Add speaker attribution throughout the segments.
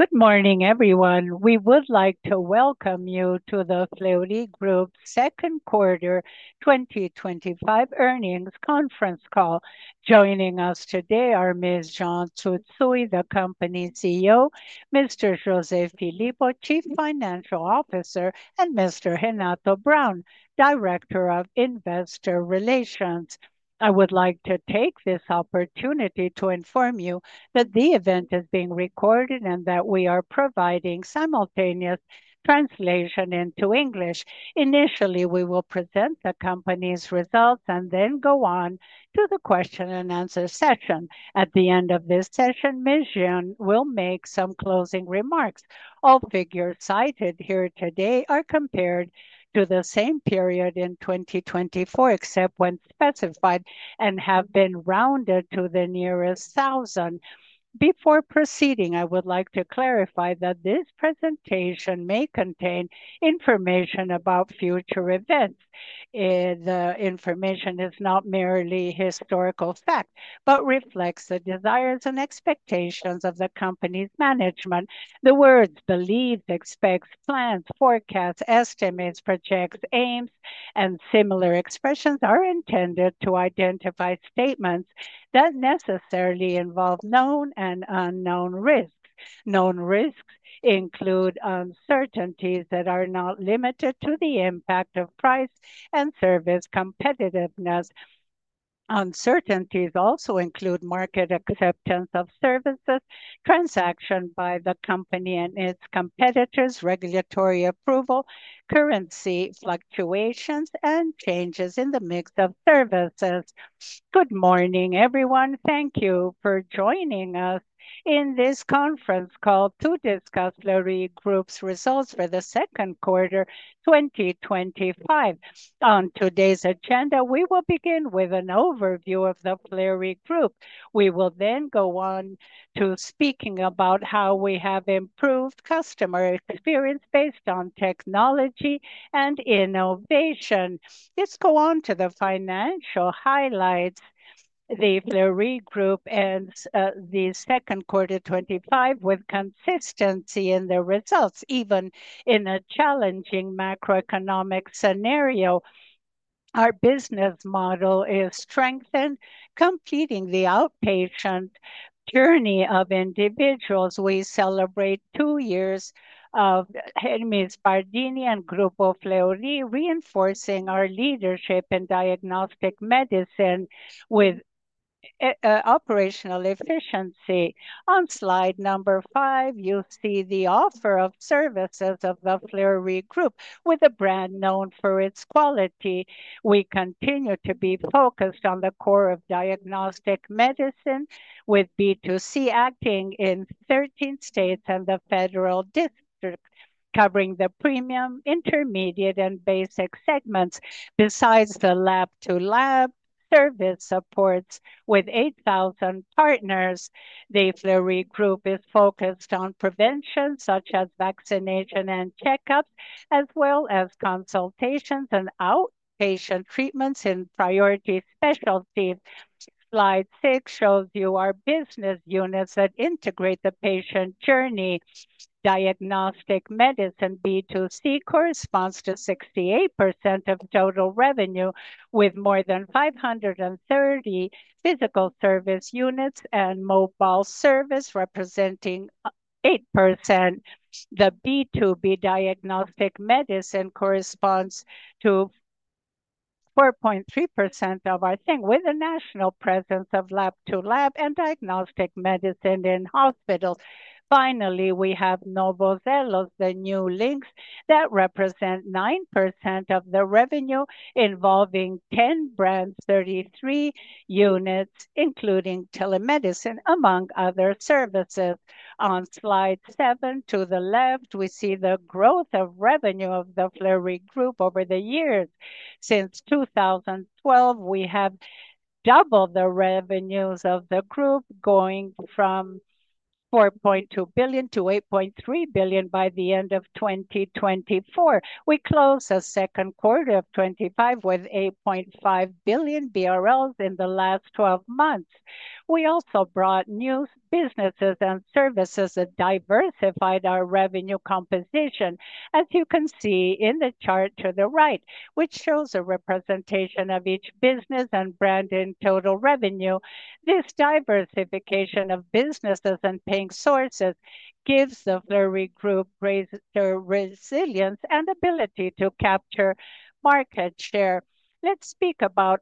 Speaker 1: Good morning, everyone. We would like to welcome you to the Fleury Group's Second Quarter 2025 Earnings Conference Call. Joining us today are Ms. Jeane Tsutsui, the company CEO, Mr. José Filippo, Chief Financial Officer, and Mr. Renato Braun, Director of Investor Relations. I would like to take this opportunity to inform you that the event is being recorded and that we are providing simultaneous translation into English. Initially, we will present the company's results and then go on to the question and answer session. At the end of this session, Ms. Jeane will make some closing remarks. All figures cited here today are compared to the same period in 2024, except when specified and have been rounded to the nearest thousand. Before proceeding, I would like to clarify that this presentation may contain information about future events. The information is not merely historical fact, but reflects the desires and expectations of the company's management. The words "believed," "expects," "plans," "forecasts," "estimates," "projects," "aims," and similar expressions are intended to identify statements that necessarily involve known and unknown risks. Known risks include uncertainties that are not limited to the impact of price and service competitiveness. Uncertainties also include market acceptance of services, transactions by the company and its competitors, regulatory approval, currency fluctuations, and changes in the mix of services.
Speaker 2: Good morning, everyone. Thank you for joining us in this Conference Call to discuss Fleury Group's results for the Second Quarter 2025. On today's agenda, we will begin with an overview of the Fleury Group. We will then go on to speaking about how we have improved customer experience based on technology and innovation. Let's go on to the financial highlights. The Fleury Group ends the second quarter 2025 with consistency in the results, even in a challenging macroeconomic scenario. Our business model is strengthened, completing the outpatient journey of individuals. We celebrate two years of Pardini Group and Fleury Group, reinforcing our leadership in diagnostic medicine with operational efficiency. On slide number five, you see the offer of services of the Fleury Group, with a brand known for its quality. We continue to be focused on the core of diagnostic medicine, with B2C acting in 13 states and the federal district, covering the premium, intermediate, and basic segments. Besides the Lab-to-Lab service supports with 8,000 partners, the Fleury Group is focused on prevention, such as vaccination and checkup, as well as consultations and outpatient treatments in priority specialties. Slide six shows you our business units that integrate the patient journey. Diagnostic medicine B2C corresponds to 68% of total revenue, with more than 530 physical service units and mobile service representing 8%. The B2B diagnostic medicine corresponds to 4.3% of our thing, with a national presence of Lab-to-Lab and diagnostic medicine in hospitals. Finally, we have Novo Elos, the new links that represent 9% of the revenue, involving 10 brands, 33 units, including telemedicine, among other services. On slide seven, to the left, we see the growth of revenue of the Fleury Group over the years. Since 2012, we have doubled the revenues of the group, going from 4.2 billion-8.3 billion by the end of 2024. We closed the second quarter of 2025 with 8.5 billion BRL in the last 12 months. We also brought new businesses and services that diversified our revenue composition, as you can see in the chart to the right, which shows a representation of each business and brand in total revenue. This diversification of businesses and paying sources gives the Fleury Group greater resilience and ability to capture market share. Let's speak about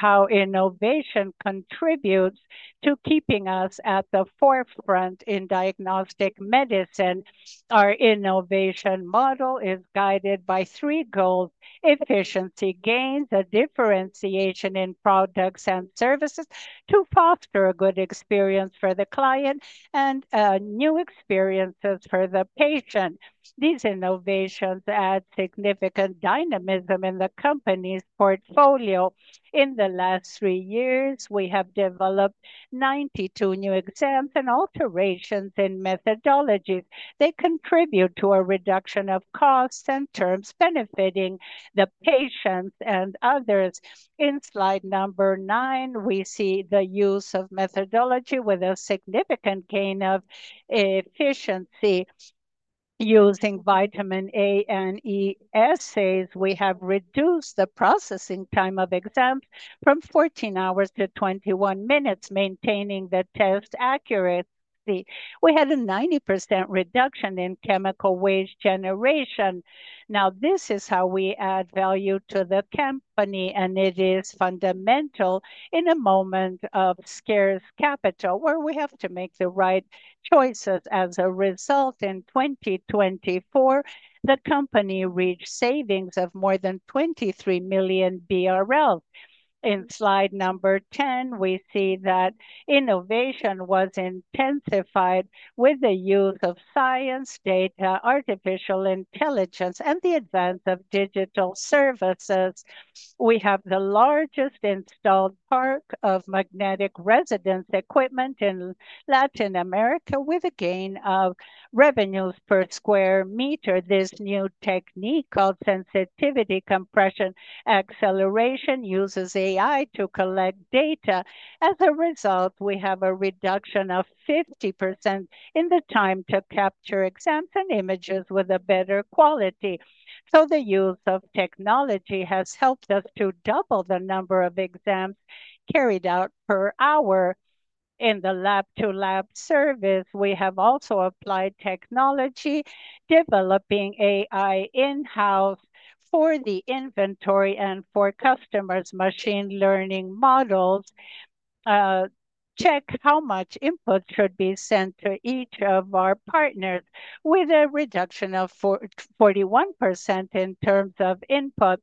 Speaker 2: how innovation contributes to keeping us at the forefront in diagnostic medicine. Our innovation model is guided by three goals: efficiency gains, a differentiation in products and services to foster a good experience for the client, and new experiences for the patient. These innovations add significant dynamism in the company's portfolio. In the last three years, we have developed 92 new exams and alterations in methodologies. They contribute to a reduction of costs and terms benefiting the patients and others. In slide number nine, we see the use of methodology with a significant gain of efficiency. Using vitamin A and E assays, we have reduced the processing time of exams from 14 hours to 21 minutes, maintaining the test accuracy. We had a 90% reduction in chemical waste generation. Now, this is how we add value to the company, and it is fundamental in a moment of scarce capital where we have to make the right choices. As a result, in 2024, the company reached savings of more than 23 million BRL. In slide number 10, we see that innovation was intensified with the use of science data, artificial intelligence, and the advance of digital services. We have the largest installed park of magnetic resonance equipment in Latin America, with a gain of revenues per square meter. This new technique called sensitivity compression acceleration uses AI to collect data. As a result, we have a reduction of 50% in the time to capture exams and images with a better quality. The use of technology has helped us to double the number of exams carried out per hour in the Lab-to-Lab service. We have also applied technology, developing AI in-house for the inventory and for customers' machine learning models. Check how much input should be sent to each of our partners, with a reduction of 41% in terms of input.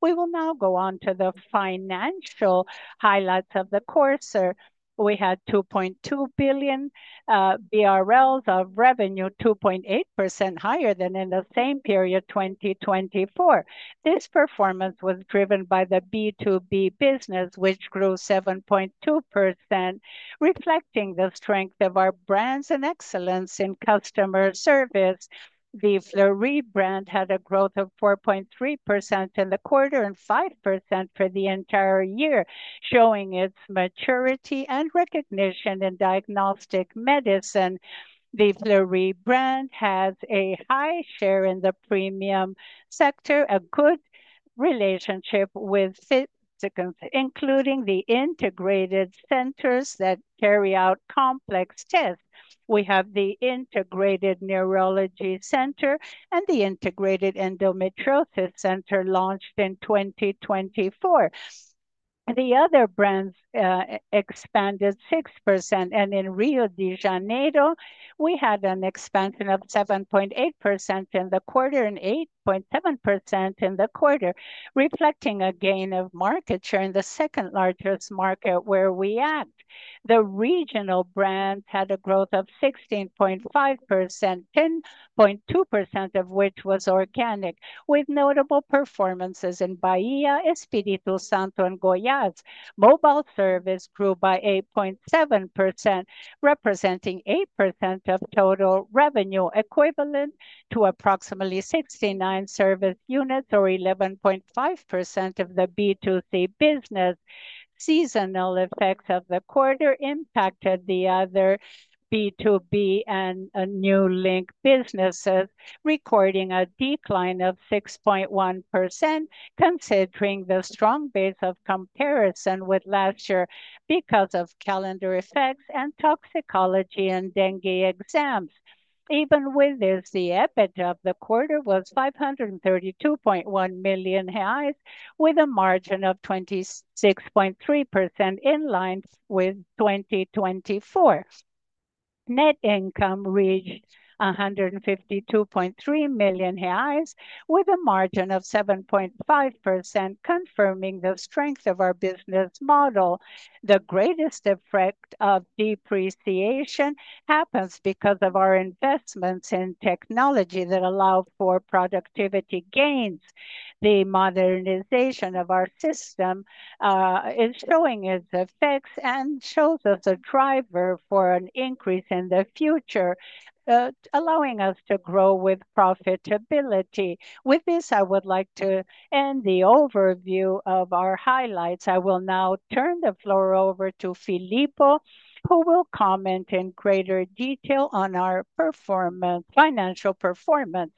Speaker 2: We will now go on to the financial highlights of the quarter. We had 2.2 billion BRL of revenue, 2.8% higher than in the same period, 2024. This performance was driven by the B2B segment, which grew 7.2%, reflecting the strength of our brands and excellence in customer service. The Fleury brand had a growth of 4.3% in the quarter and 5% for the entire year, showing its maturity and recognition in diagnostic medicine. The Fleury brand has a high share in the premium sector, a good relationship with significant clinical institutions, including the integrated centers that carry out complex tests. We have the Integrated Neurology Center and the Integrated Endometriosis Center launched in 2024. The other brands expanded 6%, and in Rio de Janeiro, we had an expansion of 7.8% in the quarter and 8.7% in the quarter, reflecting a gain of market share in the second largest market where we act. The regional brands had a growth of 16.5%, 10.2% of which was organic, with notable performances in Bahia, Espírito Santo, and Goiás. Mobile service grew by 8.7%, representing 8% of total revenue, equivalent to approximately 69 service units, or 11.5% of the B2C business. Seasonal effects of the quarter impacted the other B2B and New Link businesses, recording a decline of 6.1%, considering the strong base of comparison with last year because of calendar effects and toxicological exams and dengue exams. Even with this, the EBITDA of the quarter was 532.1 million reais, with a margin of 26.3% in line with 2024. Net income reached 152.3 million reais, with a margin of 7.5%, confirming the strength of our business model. The greatest effect of depreciation happens because of our investments in technology that allow for productivity gains. The modernization of our system is showing its effects and shows us a driver for an increase in the future, allowing us to grow with profitability. With this, I would like to end the overview of our highlights. I will now turn the floor over to Filippo, who will comment in greater detail on our financial performance.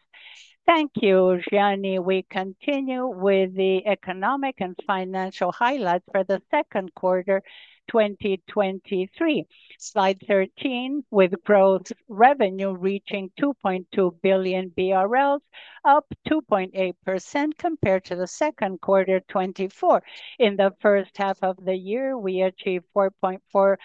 Speaker 3: Thank you, Jeane. We continue with the economic and financial highlights for the second quarter, 2023. Slide 13, with gross revenue reaching 2.2 billion BRL, up 2.8% compared to the second quarter, 2024. In the first half of the year, we achieved 4.4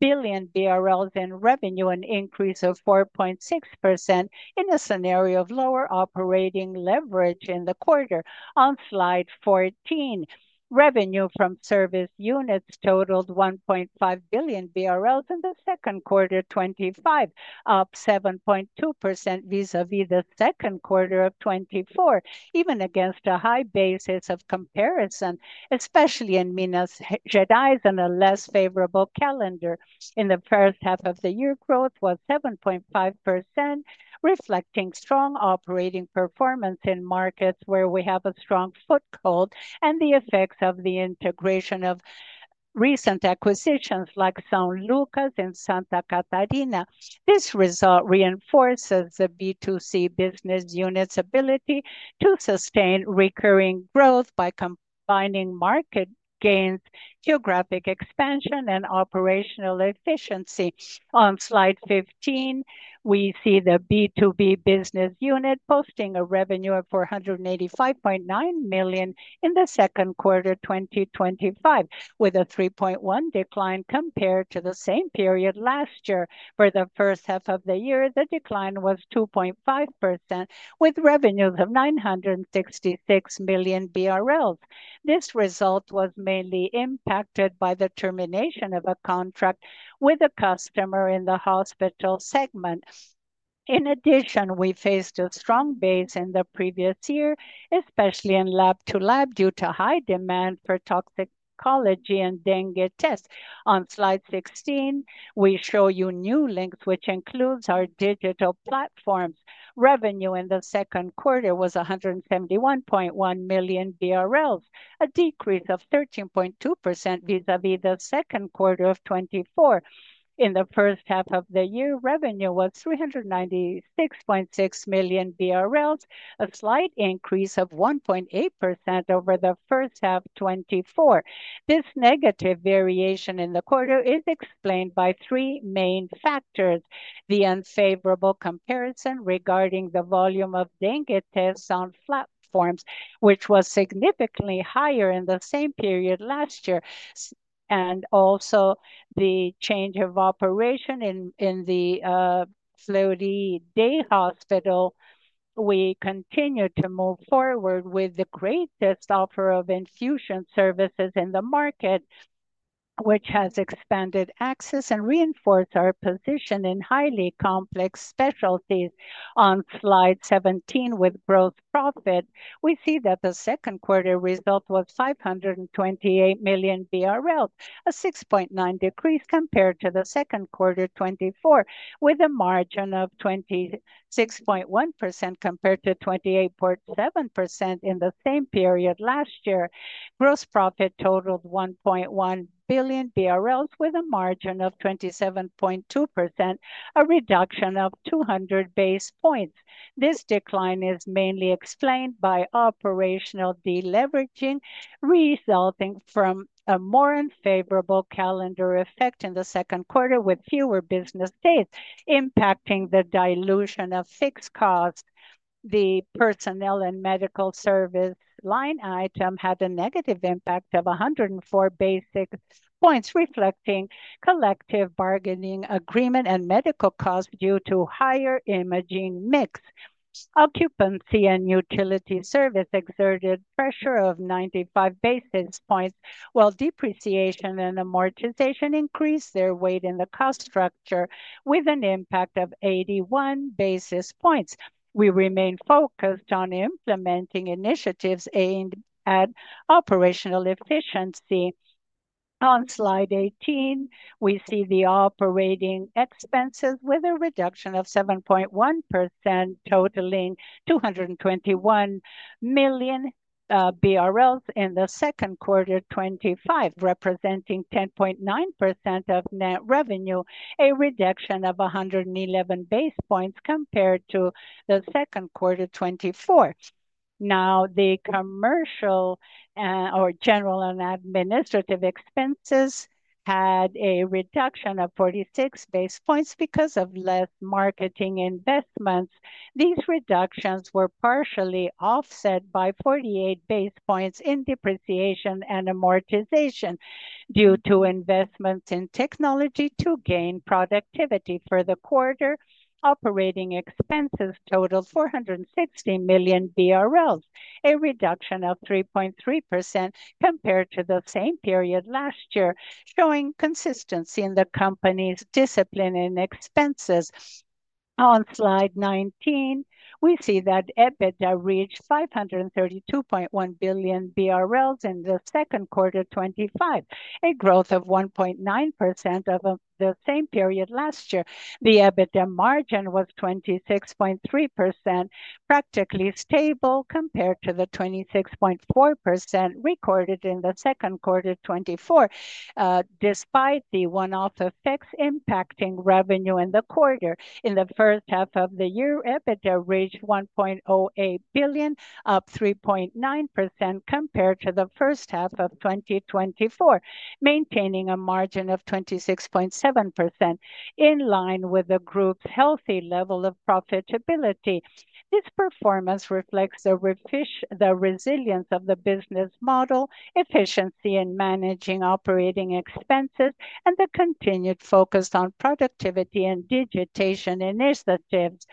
Speaker 3: billion BRL in revenue, an increase of 4.6% in a scenario of lower operating leverage in the quarter. On slide 14, revenue from service units totaled 1.5 billion BRL in the second quarter, 2025, up 7.2% vis-à-vis the second quarter of 2024, even against a high basis of comparison, especially in Minas Gerais and a less favorable calendar. In the first half of the year, growth was 7.5%, reflecting strong operating performance in markets where we have a strong foothold and the effects of the integration of recent acquisitions like São Lucas and Santa Catarina. This result reinforces the B2C business unit's ability to sustain recurring growth by combining market gains, geographic expansion, and operational efficiency. On slide 15, we see the B2B business unit posting a revenue of 485.9 million in the second quarter, 2025, with a 3.1% decline compared to the same period last year. For the first half of the year, the decline was 2.5%, with revenues of 966 million BRL. This result was mainly impacted by the termination of a contract with a customer in the hospital segment. In addition, we faced a strong base in the previous year, especially in Lab-to-Lab, due to high demand for toxicological exams and dengue tests. On slide 16, we show you New Link, which includes our digital platforms. Revenue in the second quarter was 171.1 million BRL, a decrease of 13.2% vis-à-vis the second quarter of 2024. In the first half of the year, revenue was 396.6 million BRL, a slight increase of 1.8% over the first half of 2024. This negative variation in the quarter is explained by three main factors: the unfavorable comparison regarding the volume of dengue tests on platforms, which was significantly higher in the same period last year, and also the change of operation in the Fleury Day Hospital. We continue to move forward with the greatest offer of infusions services in the market, which has expanded access and reinforced our position in highly complex specialties. On slide 17, with gross profit, we see that the second quarter result was 528 million BRL, a 6.9% decrease compared to the second quarter of 2024, with a margin of 26.1% compared to 28.7% in the same period last year. Gross profit totaled 1.1 billion BRL, with a margin of 27.2%, a reduction of 200 basis points. This decline is mainly explained by operational deleveraging, resulting from a more unfavorable calendar effect in the second quarter, with fewer business days, impacting the dilution of fixed costs. The personnel and medical service line item had a negative impact of 104 basis points, reflecting collective bargaining agreement and medical costs due to higher imaging mix. Occupancy and utility service exerted pressure of 95 basis points, while depreciation and amortization increased their weight in the cost structure, with an impact of 81 basis points. We remain focused on implementing initiatives aimed at operational efficiency. On slide 18, we see the operating expenses with a reduction of 7.1%, totaling 221 million BRL in the second quarter of 2025, representing 10.9% of net revenue, a reduction of 111 basis points compared to the second quarter of 2024. Now, the commercial and/or general and administrative expenses had a reduction of 46 basis points because of less marketing investments. These reductions were partially offset by 48 basis points in depreciation and amortization due to investments in technology to gain productivity. For the quarter, operating expenses totaled 460 million BRL, a reduction of 3.3% compared to the same period last year, showing consistency in the company's discipline and expenses. On slide 19, we see that EBITDA reached 532.1 million BRL in the second quarter of 2025, a growth of 1.9% over the same period last year. The EBITDA margin was 26.3%, practically stable compared to the 26.4% recorded in the second quarter of 2024, despite the one-off effects impacting revenue in the quarter. In the first half of the year, EBITDA reached 1.08 billion, up 3.9% compared to the first half of 2024, maintaining a margin of 26.7%, in line with the group's healthy level of profitability. This performance reflects the resilience of the business model, efficiency in managing operating expenses, and the continued focus on productivity and digitalization initiatives.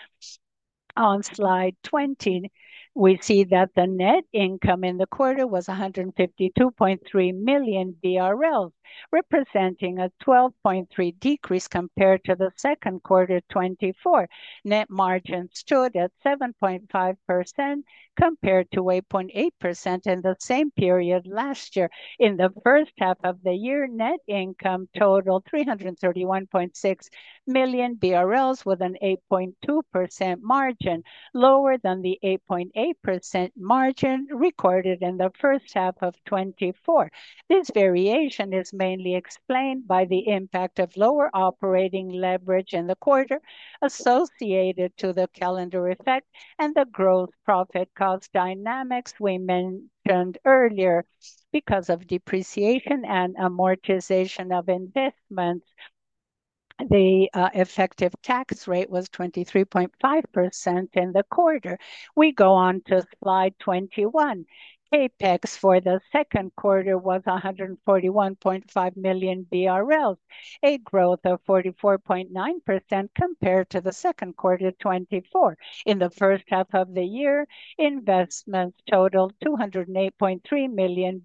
Speaker 3: On slide 20, we see that the net income in the quarter was 152.3 million BRL, representing a 12.3% decrease compared to the second quarter of 2024. Net margin stood at 7.5% compared to 8.8% in the same period last year. In the first half of the year, net income totaled 331.6 million BRL, with an 8.2% margin, lower than the 8.8% margin recorded in the first half of 2024. This variation is mainly explained by the impact of lower operating leverage in the quarter associated with the calendar effect and the growth profit cost dynamics we mentioned earlier. Because of depreciation and amortization of investments, the effective tax rate was 23.5% in the quarter. We go on to slide 21. OpEx for the second quarter was 141.5 million BRL, a growth of 44.9% compared to the second quarter of 2024. In the first half of the year, investments totaled BRL 208.3 million,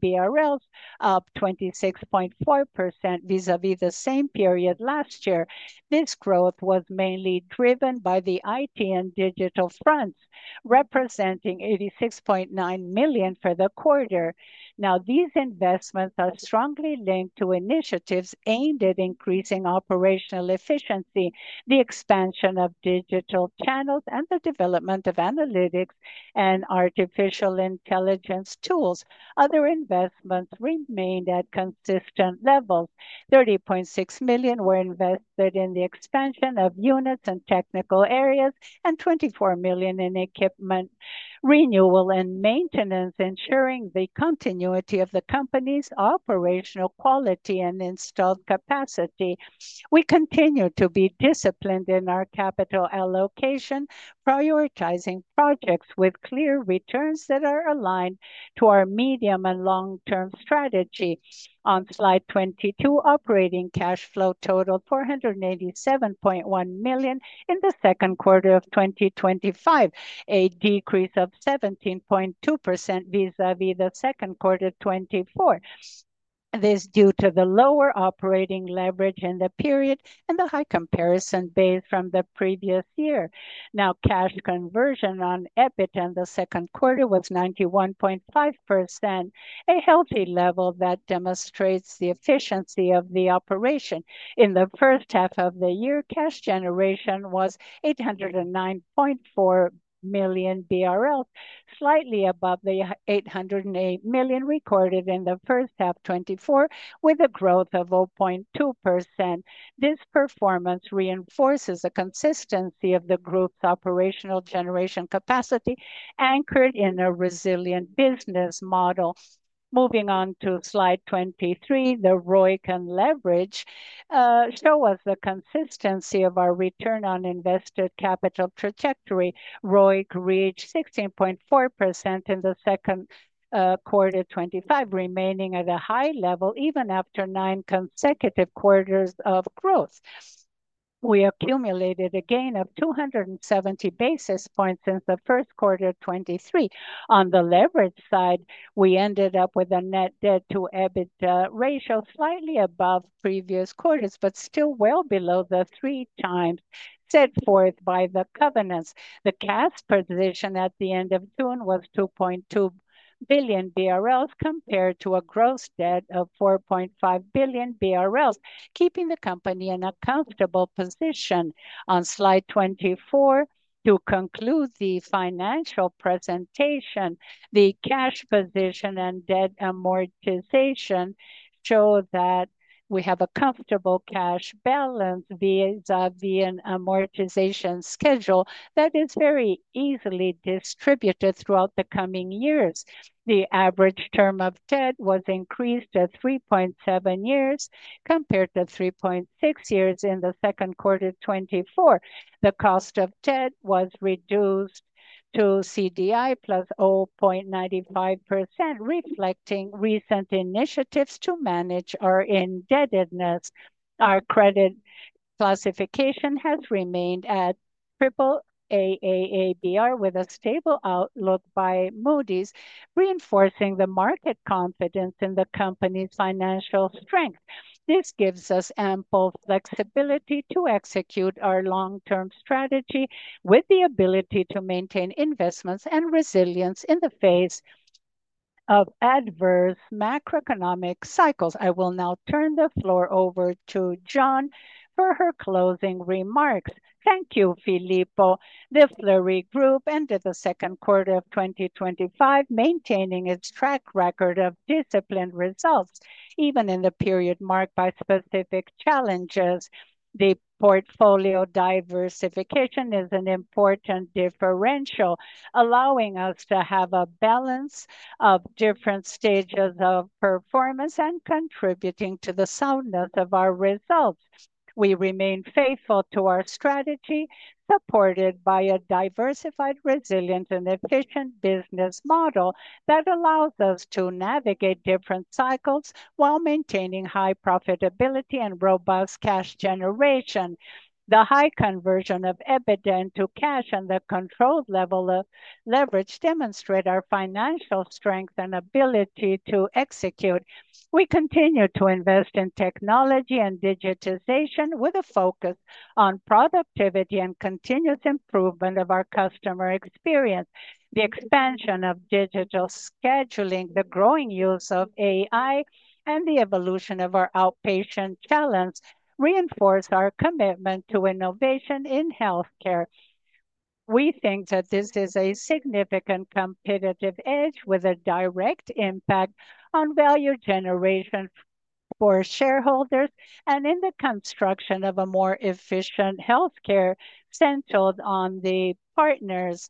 Speaker 3: up 26.4% vis-à-vis the same period last year. This growth was mainly driven by the IT and digital fronts, representing 86.9 million for the quarter. Now, these investments are strongly linked to initiatives aimed at increasing operational efficiency, the expansion of digital channels, and the development of analytics and artificial intelligence tools. Other investments remained at consistent levels. 30.6 million were invested in the expansion of units and technical areas, and 24 million in equipment renewal and maintenance, ensuring the continuity of the company's operational quality and installed capacity. We continue to be disciplined in our capital allocation, prioritizing projects with clear returns that are aligned to our medium and long-term strategy. On slide 22, operating cash flow totaled 487.1 million in the second quarter of 2025, a decrease of 17.2% vis-à-vis the second quarter of 2024. This is due to the lower operating leverage in the period and the high comparison base from the previous year. Now, cash conversion on EBITDA in the second quarter was 91.5%, a healthy level that demonstrates the efficiency of the operation. In the first half of the year, cash generation was 809.4 million BRL, slightly above the 808 million recorded in the first half of 2024, with a growth of 0.2%. This performance reinforces the consistency of the group's operational generation capacity, anchored in a resilient business model. Moving on to slide 23, the ROIC and leverage show us the consistency of our return on invested capital trajectory. ROIC reached 16.4% in the second quarter of 2025, remaining at a high level even after nine consecutive quarters of growth. We accumulated a gain of 270 basis points since the first quarter of 2023. On the leverage side, we ended up with a net debt/EBITDA ratio slightly above previous quarters, but still well below the three times set forth by the covenants. The cash position at the end of June was 2.2 billion BRL compared to a gross debt of 4.5 billion BRL, keeping the company in a comfortable position. On slide 24, to conclude the financial presentation, the cash position and debt amortization show that we have a comfortable cash balance vis-à-vis an amortization schedule that is very easily distributed throughout the coming years. The average term of debt was increased to 3.7 years compared to 3.6 years in the second quarter of 2024. The cost of debt was reduced to CDI plus 0.95%, reflecting recent initiatives to manage our indebtedness. Our credit classification has remained at AAA.br, with a stable outlook by Moody’s, reinforcing the market confidence in the company’s financial strength. This gives us ample flexibility to execute our long-term strategy, with the ability to maintain investments and resilience in the face of adverse macroeconomic cycles. I will now turn the floor over to Jeane for her closing remarks.
Speaker 2: Thank you, Filippo. The Fleury Group ended the second quarter of 2025, maintaining its track record of disciplined results, even in the period marked by specific challenges. The portfolio diversification is an important differential, allowing us to have a balance of different stages of performance and contributing to the soundness of our results. We remain faithful to our strategy, supported by a diversified, resilient, and efficient business model that allows us to navigate different cycles while maintaining high profitability and robust cash generation. The high conversion of EBITDA into cash and the controlled level of leverage demonstrate our financial strength and ability to execute. We continue to invest in technology and digitalization, with a focus on productivity and continuous improvement of our customer experience. The expansion of digital scheduling, the growing use of AI, and the evolution of our outpatient talents reinforce our commitment to innovation in healthcare. We think that this is a significant competitive edge with a direct impact on value generation for shareholders and in the construction of a more efficient healthcare centered on the partners.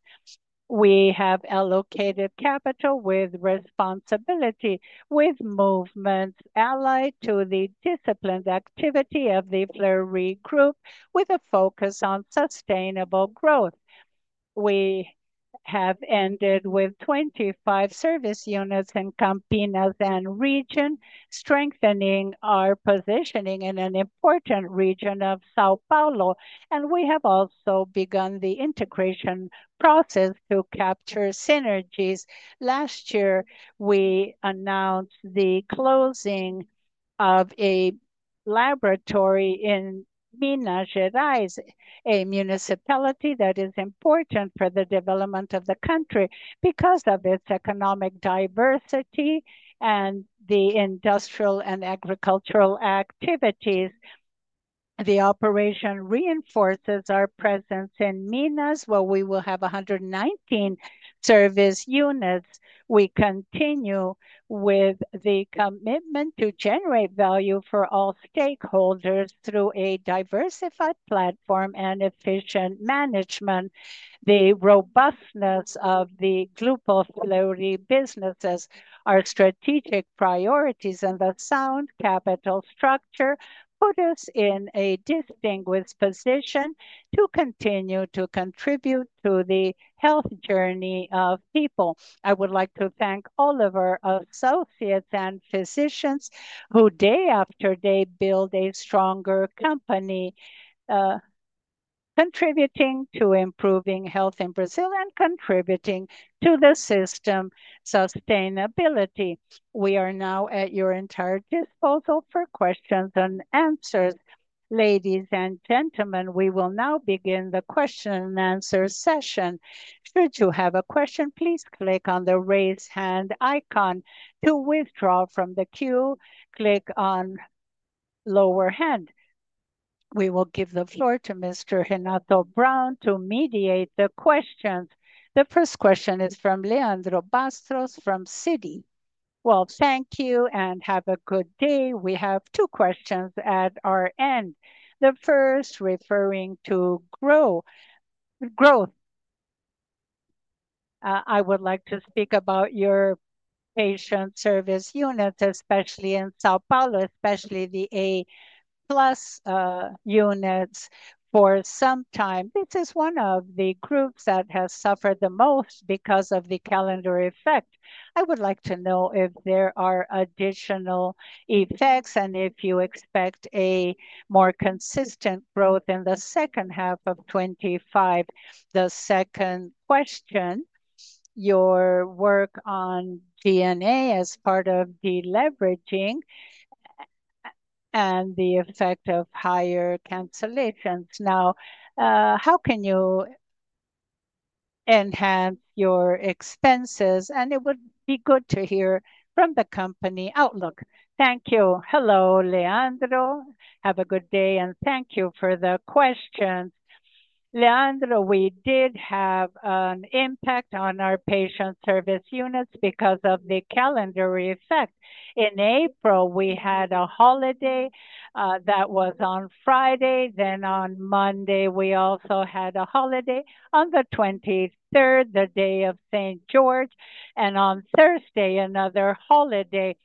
Speaker 2: We have allocated capital with responsibility, with movements allied to the disciplined activity of the Fleury Group, with a focus on sustainable growth. We have ended with 25 service units in Campinas and region, strengthening our positioning in an important region of São Paulo, and we have also begun the integration process to capture synergies. Last year, we announced the closing of a laboratory in Minas Gerais, a municipality that is important for the development of the country because of its economic diversity and the industrial and agricultural activities. The operation reinforces our presence in Minas, where we will have 119 service units. We continue with the commitment to generate value for all stakeholders through a diversified platform and efficient management. The robustness of the Fleury Group businesses, our strategic priorities, and the sound capital structure put us in a distinguished position to continue to contribute to the health journey of people. I would like to thank all of our associates and physicians who, day after day, build a stronger company, contributing to improving health in Brazil and contributing to the system's sustainability. We are now at your entire disposal for questions and answers.
Speaker 1: Ladies and gentlemen, we will now begin the question and answer session. Should you have a question, please click on the raise hand icon. To withdraw from the queue, click on the lower hand. We will give the floor to Mr. Renato Braun to mediate the questions.
Speaker 4: The first question is from Leandro Bastos from Citi.
Speaker 5: Thank you and have a good day. We have two questions at our end. The first referring to growth. I would like to speak about your patient service units, especially in São Paulo, especially the A+ units. For some time, this is one of the groups that has suffered the most because of the calendar effect. I would like to know if there are additional effects and if you expect a more consistent growth in the second half of 2025. The second question, your work on G&A as part of deleveraging and the effect of higher cancellations. Now, how can you enhance your expenses? It would be good to hear from the company outlook.
Speaker 2: Thank you. Hello, Leandro. Have a good day and thank you for the question. Leandro, we did have an impact on our patient service units because of the calendar effect. In April, we had a holiday that was on Friday. Then on Monday, we also had a holiday. On the 23rd, the day of St. George, and on Thursday, another holiday.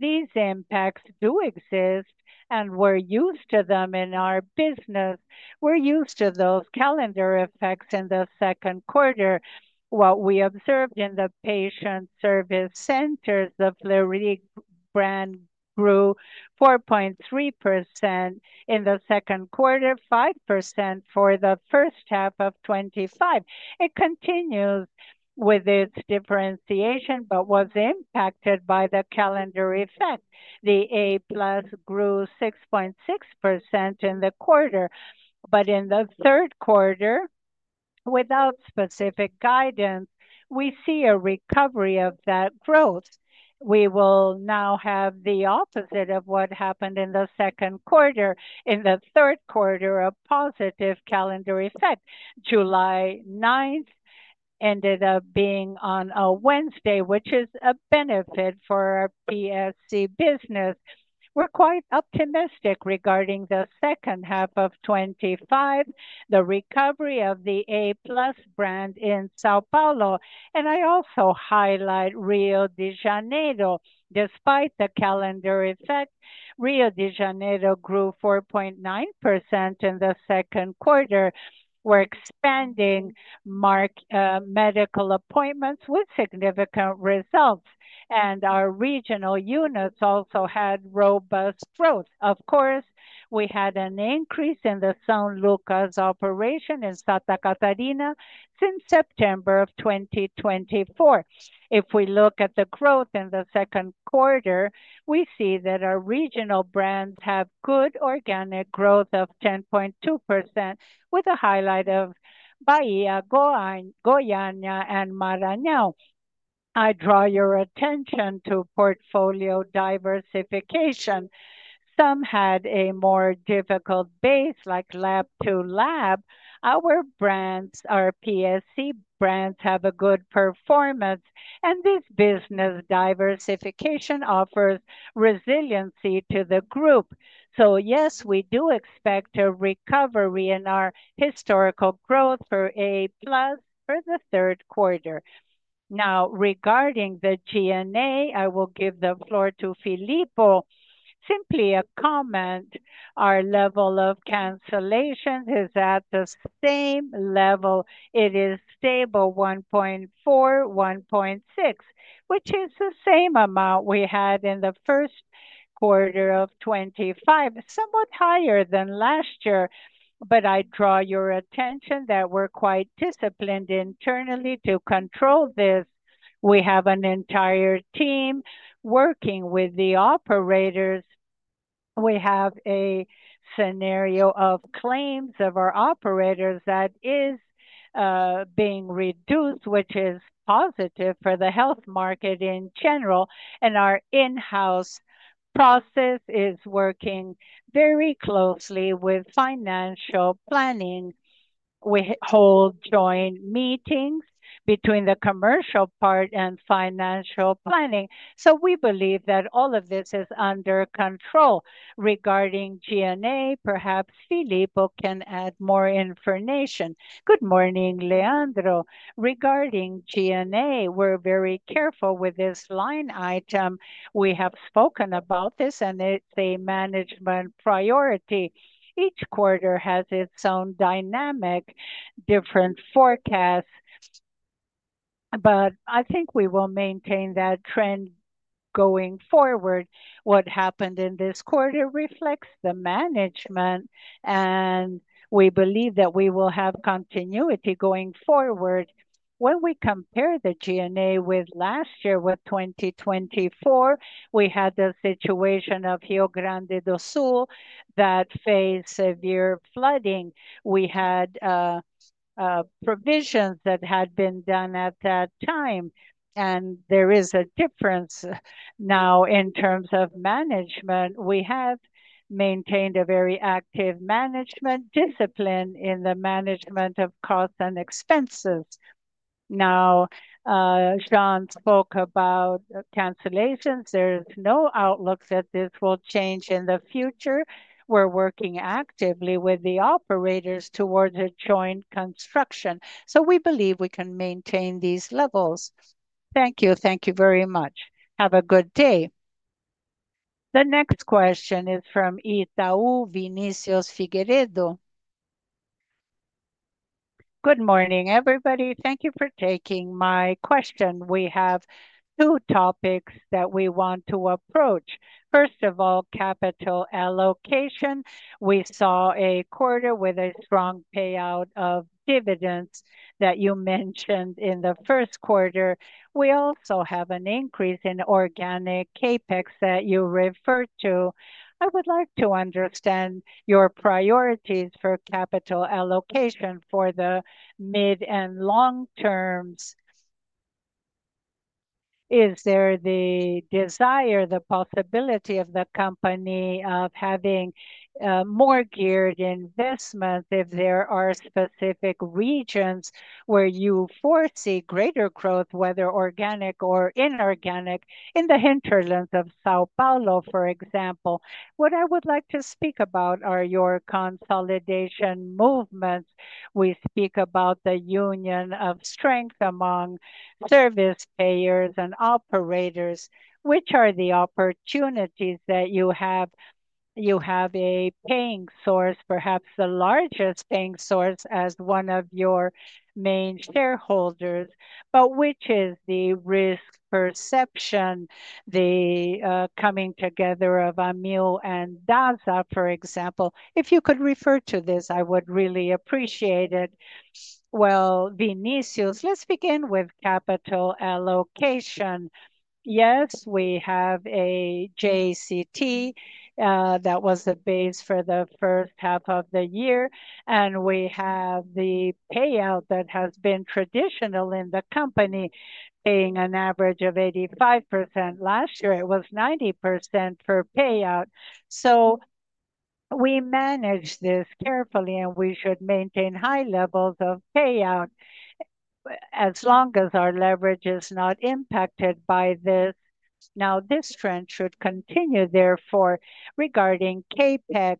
Speaker 2: These impacts do exist and we're used to them in our business. We're used to those calendar effects in the second quarter. What we observed in the patient service centers, the Fleury brand grew 4.3% in the second quarter, 5% for the first half of 2025. It continues with its differentiation, but was impacted by the calendar effect. The A+ grew 6.6% in the quarter, but in the third quarter, without specific guidance, we see a recovery of that growth. We will now have the opposite of what happened in the second quarter. In the third quarter, a positive calendar effect. July 9 ended up being on a Wednesday, which is a benefit for our PSC business. We're quite optimistic regarding the second half of 2025, the recovery of the A+ brand in São Paulo, and I also highlight Rio de Janeiro. Despite the calendar effect, Rio de Janeiro grew 4.9% in the second quarter. We're expanding medical appointments with significant results, and our regional units also had robust growth. Of course, we had an increase in the São Lucas operation in Santa Catarina since September of 2024. If we look at the growth in the second quarter, we see that our regional brands have good organic growth of 10.2%, with a highlight of Bahia, Goiânia, and Maranhão. I draw your attention to portfolio diversification. Some had a more difficult base, like Lab-to-Lab. Our brands, our PSC brands, have a good performance, and this business diversification offers resiliency to the group. Yes, we do expect a recovery in our historical growth for A+ for the third quarter. Now, regarding the G&A, I will give the floor to Filippo. Simply a comment. Our level of cancellation is at the same level. It is stable at 1.4%, 1.6%, which is the same amount we had in the first quarter of 2025, somewhat higher than last year. I draw your attention that we're quite disciplined internally to control this. We have an entire team working with the operators. We have a scenario of claims of our operators that is being reduced, which is positive for the health market in general, and our in-house process is working very closely with financial planning. We hold joint meetings between the commercial part and financial planning. We believe that all of this is under control. Regarding G&A, perhaps Filippo can add more information.
Speaker 3: Good morning, Leandro. Regarding G&A, we're very careful with this line item. We have spoken about this, and it's a management priority. Each quarter has its own dynamic, different forecasts, but I think we will maintain that trend going forward. What happened in this quarter reflects the management, and we believe that we will have continuity going forward. When we compare the G&A with last year, with 2024, we had the situation of Rio Grande do Sul that faced severe flooding. We had provisions that had been done at that time, and there is a difference now in terms of management. We have maintained a very active management discipline in the management of costs and expenses. Now, Jeane spoke about cancellations. There's no outlook that this will change in the future. We're working actively with the operators towards a joint construction. We believe we can maintain these levels. Thank you.
Speaker 5: Thank you very much. Have a good day.
Speaker 4: The next question is from Itaú, Vinícius Figueiredo.
Speaker 6: Good morning, everybody. Thank you for taking my question. We have two topics that we want to approach. First of all, capital allocation. We saw a quarter with a strong payout of dividends that you mentioned in the first quarter. We also have an increase in organic CapEx that you refer to. I would like to understand your priorities for capital allocation for the mid and long terms. Is there the desire, the possibility of the company having more geared investments if there are specific regions where you foresee greater growth, whether organic or inorganic, in the hinterlands of São Paulo, for example? What I would like to speak about are your consolidation movements. We speak about the union of strength among service payers and operators. Which are the opportunities that you have? You have a paying source, perhaps the largest paying source as one of your main shareholders. Which is the risk perception, the coming together of Amil and DASA, for example? If you could refer to this, I would really appreciate it.
Speaker 3: Vinícius, let's begin with capital allocation. Yes, we have a JCT that was the base for the first half of the year, and we have the payout that has been traditional in the company, paying an average of 85%. Last year, it was 90% per payout. We manage this carefully, and we should maintain high levels of payout as long as our leverage is not impacted by this. This trend should continue, therefore. Regarding CapEx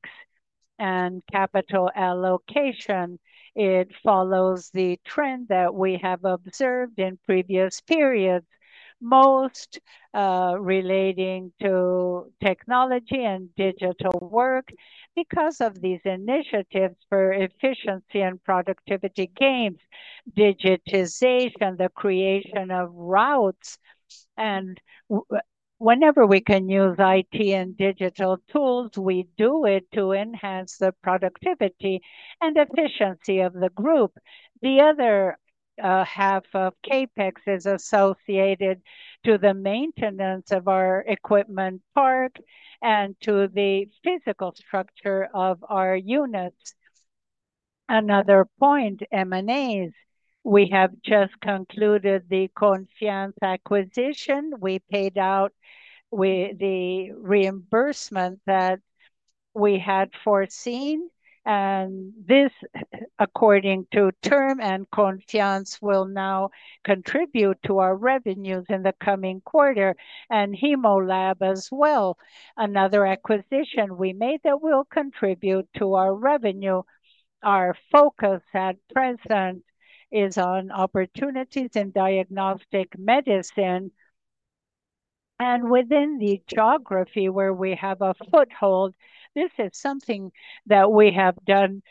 Speaker 3: and capital allocation, it follows the trend that we have observed in previous periods, most relating to technology and digital work. Because of these initiatives for efficiency and productivity gains, digitalization, the creation of routes, and whenever we can use IT and digital tools, we do it to enhance the productivity and efficiency of the group. The other half of CapEx is associated with the maintenance of our equipment park and to the physical structure of our units. Another point, M&A. We have just concluded the Confiance acquisition. We paid out the reimbursement that we had foreseen, and this, according to term and Confiance, will now contribute to our revenues in the coming quarter, and HeMoLab as well. Another acquisition we made that will contribute to our revenue. Our focus at present is on opportunities in diagnostic medicine, and within the geography where we have a foothold, this is something that we have done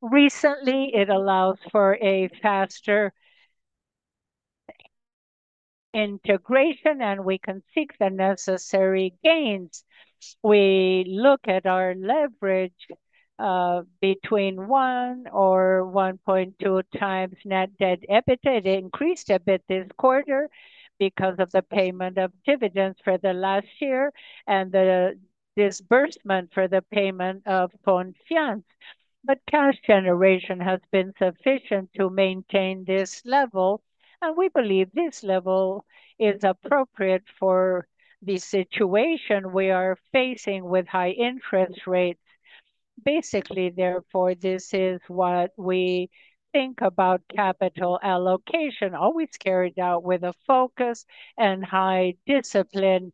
Speaker 3: recently. It allows for a faster integration, and we can seek the necessary gains. We look at our leverage between 1x or 1.2x net debt/EBITDA. It increased a bit this quarter because of the payment of dividends for the last year and the disbursement for the payment of Confiance. Cash generation has been sufficient to maintain this level, and we believe this level is appropriate for the situation we are facing with high interest rates. Basically, therefore, this is what we think about capital allocation, always carried out with a focus and high discipline.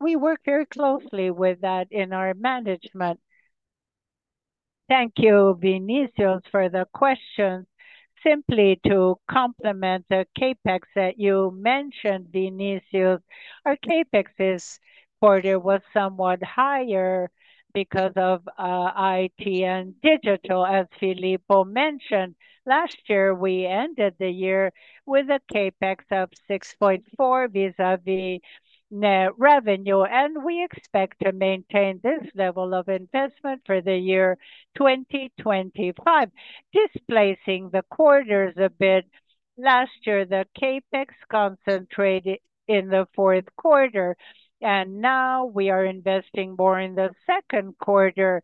Speaker 3: We work very closely with that in our management.
Speaker 2: Thank you, Vinícius, for the question. Simply to complement the CapEx that you mentioned, Vinícius, our CapEx this quarter was somewhat higher because of IT and digital, as Filippo mentioned. Last year, we ended the year with a CapEx of 6.4% vis-à-vis net revenue, and we expect to maintain this level of investment for the year 2025, displacing the quarters a bit. Last year, the CapEx concentrated in the fourth quarter, and now we are investing more in the second quarter,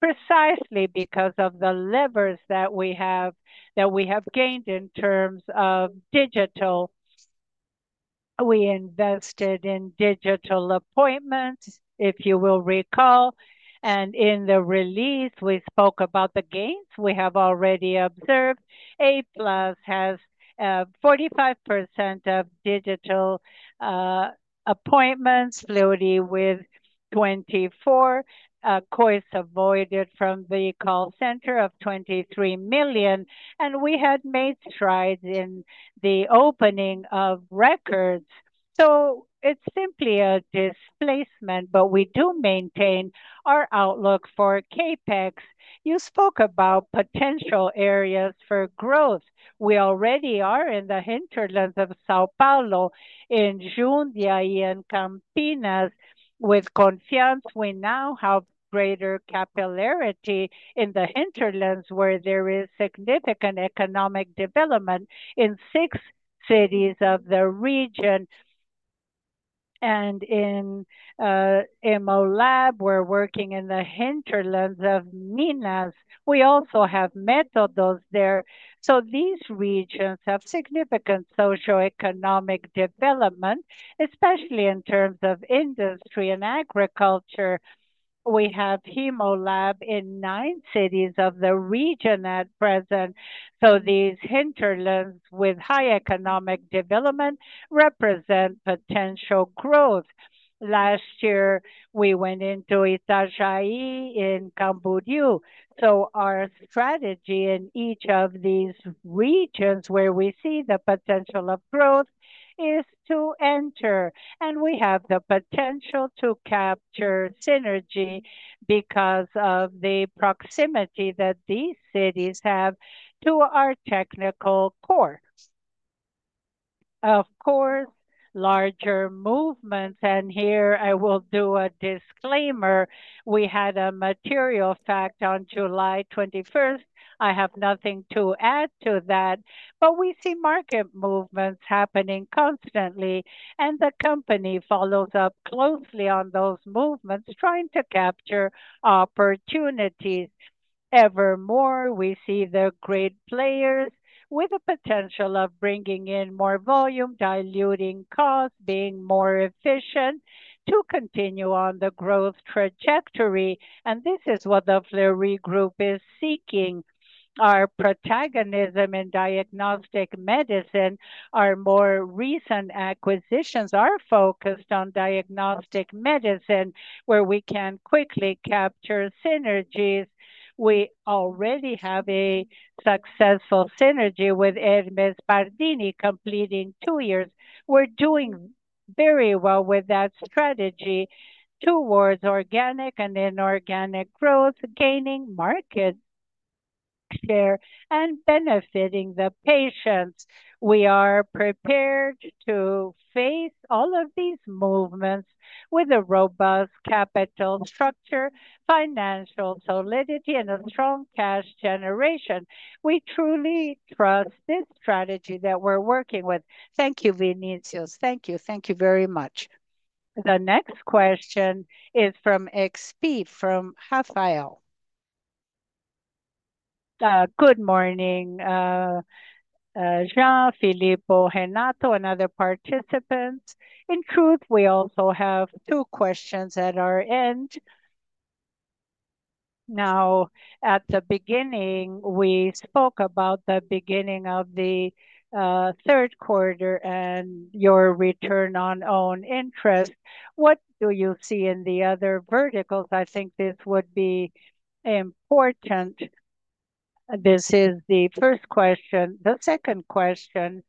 Speaker 2: precisely because of the levers that we have gained in terms of digital. We invested in digital appointments, if you will recall, and in the release, we spoke about the gains we have already observed. A+ has 45% of digital appointments, Fleury with 24%. COIS avoided from the call center of 23 million, and we had made strides in the opening of records. It is simply a displacement, but we do maintain our outlook for CapEx. You spoke about potential areas for growth. We already are in the hinterlands of São Paulo. In Jundiai and Campinas, with Confiance, we now have greater capillarity in the hinterlands, where there is significant economic development in six cities of the region. In HeMoLab, we're working in the hinterlands of Minas. We also have Methodos there. These regions have significant socioeconomic development, especially in terms of industry and agriculture. We have HeMoLab in nine cities of the region at present. These hinterlands with high economic development represent potential growth. Last year, we went into Itajaí in Camboriú. Our strategy in each of these regions where we see the potential of growth is to enter, and we have the potential to capture synergy because of the proximity that these cities have to our technical core. Of course, larger movements, and here I will do a disclaimer. We had a material fact on July 21. I have nothing to add to that, but we see market movements happening constantly, and the company follows up closely on those movements, trying to capture opportunities. Ever more, we see the great players with the potential of bringing in more volume, diluting costs, being more efficient to continue on the growth trajectory, and this is what the Fleury Group is seeking. Our protagonism in diagnostic medicine, our more recent acquisitions are focused on diagnostic medicine, where we can quickly capture synergies. We already have a successful synergy with Hermes Padini, completing two years. We're doing very well with that strategy towards organic and inorganic growth, gaining market share and benefiting the patients. We are prepared to face all of these movements with a robust capital structure, financial solidity, and a strong cash generation. We truly trust this strategy that we're working with. Thank you, Vinícius.
Speaker 6: Thank you. Thank you very much.
Speaker 4: The next question is from XP, from Rafael.
Speaker 7: Good morning, Jeane, Filippo, Renato, and other participants. In truth, we also have two questions at our end. Now, at the beginning, we spoke about the beginning of the third quarter and your return on own interest. What do you see in the other verticals? I think this would be important. This is the first question. The second question,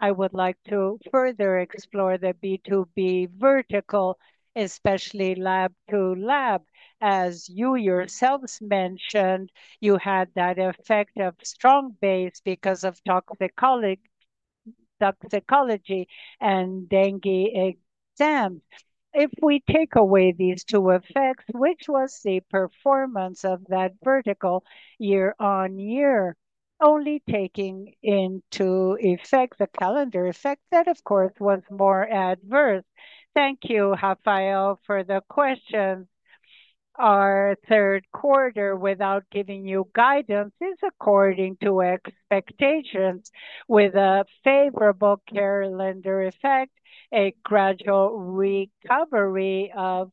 Speaker 7: I would like to further explore the B2B vertical, especially Lab-to-Lab. As you yourselves mentioned, you had that effect of strong base because of toxicological exams and dengue exams. If we take away these two effects, which was the performance of that vertical year on year, only taking into effect the calendar effect that, of course, was more adverse.
Speaker 2: Thank you, Rafael, for the question. Our third quarter, without giving you guidance, is according to expectations, with a favorable calendar effect, a gradual recovery of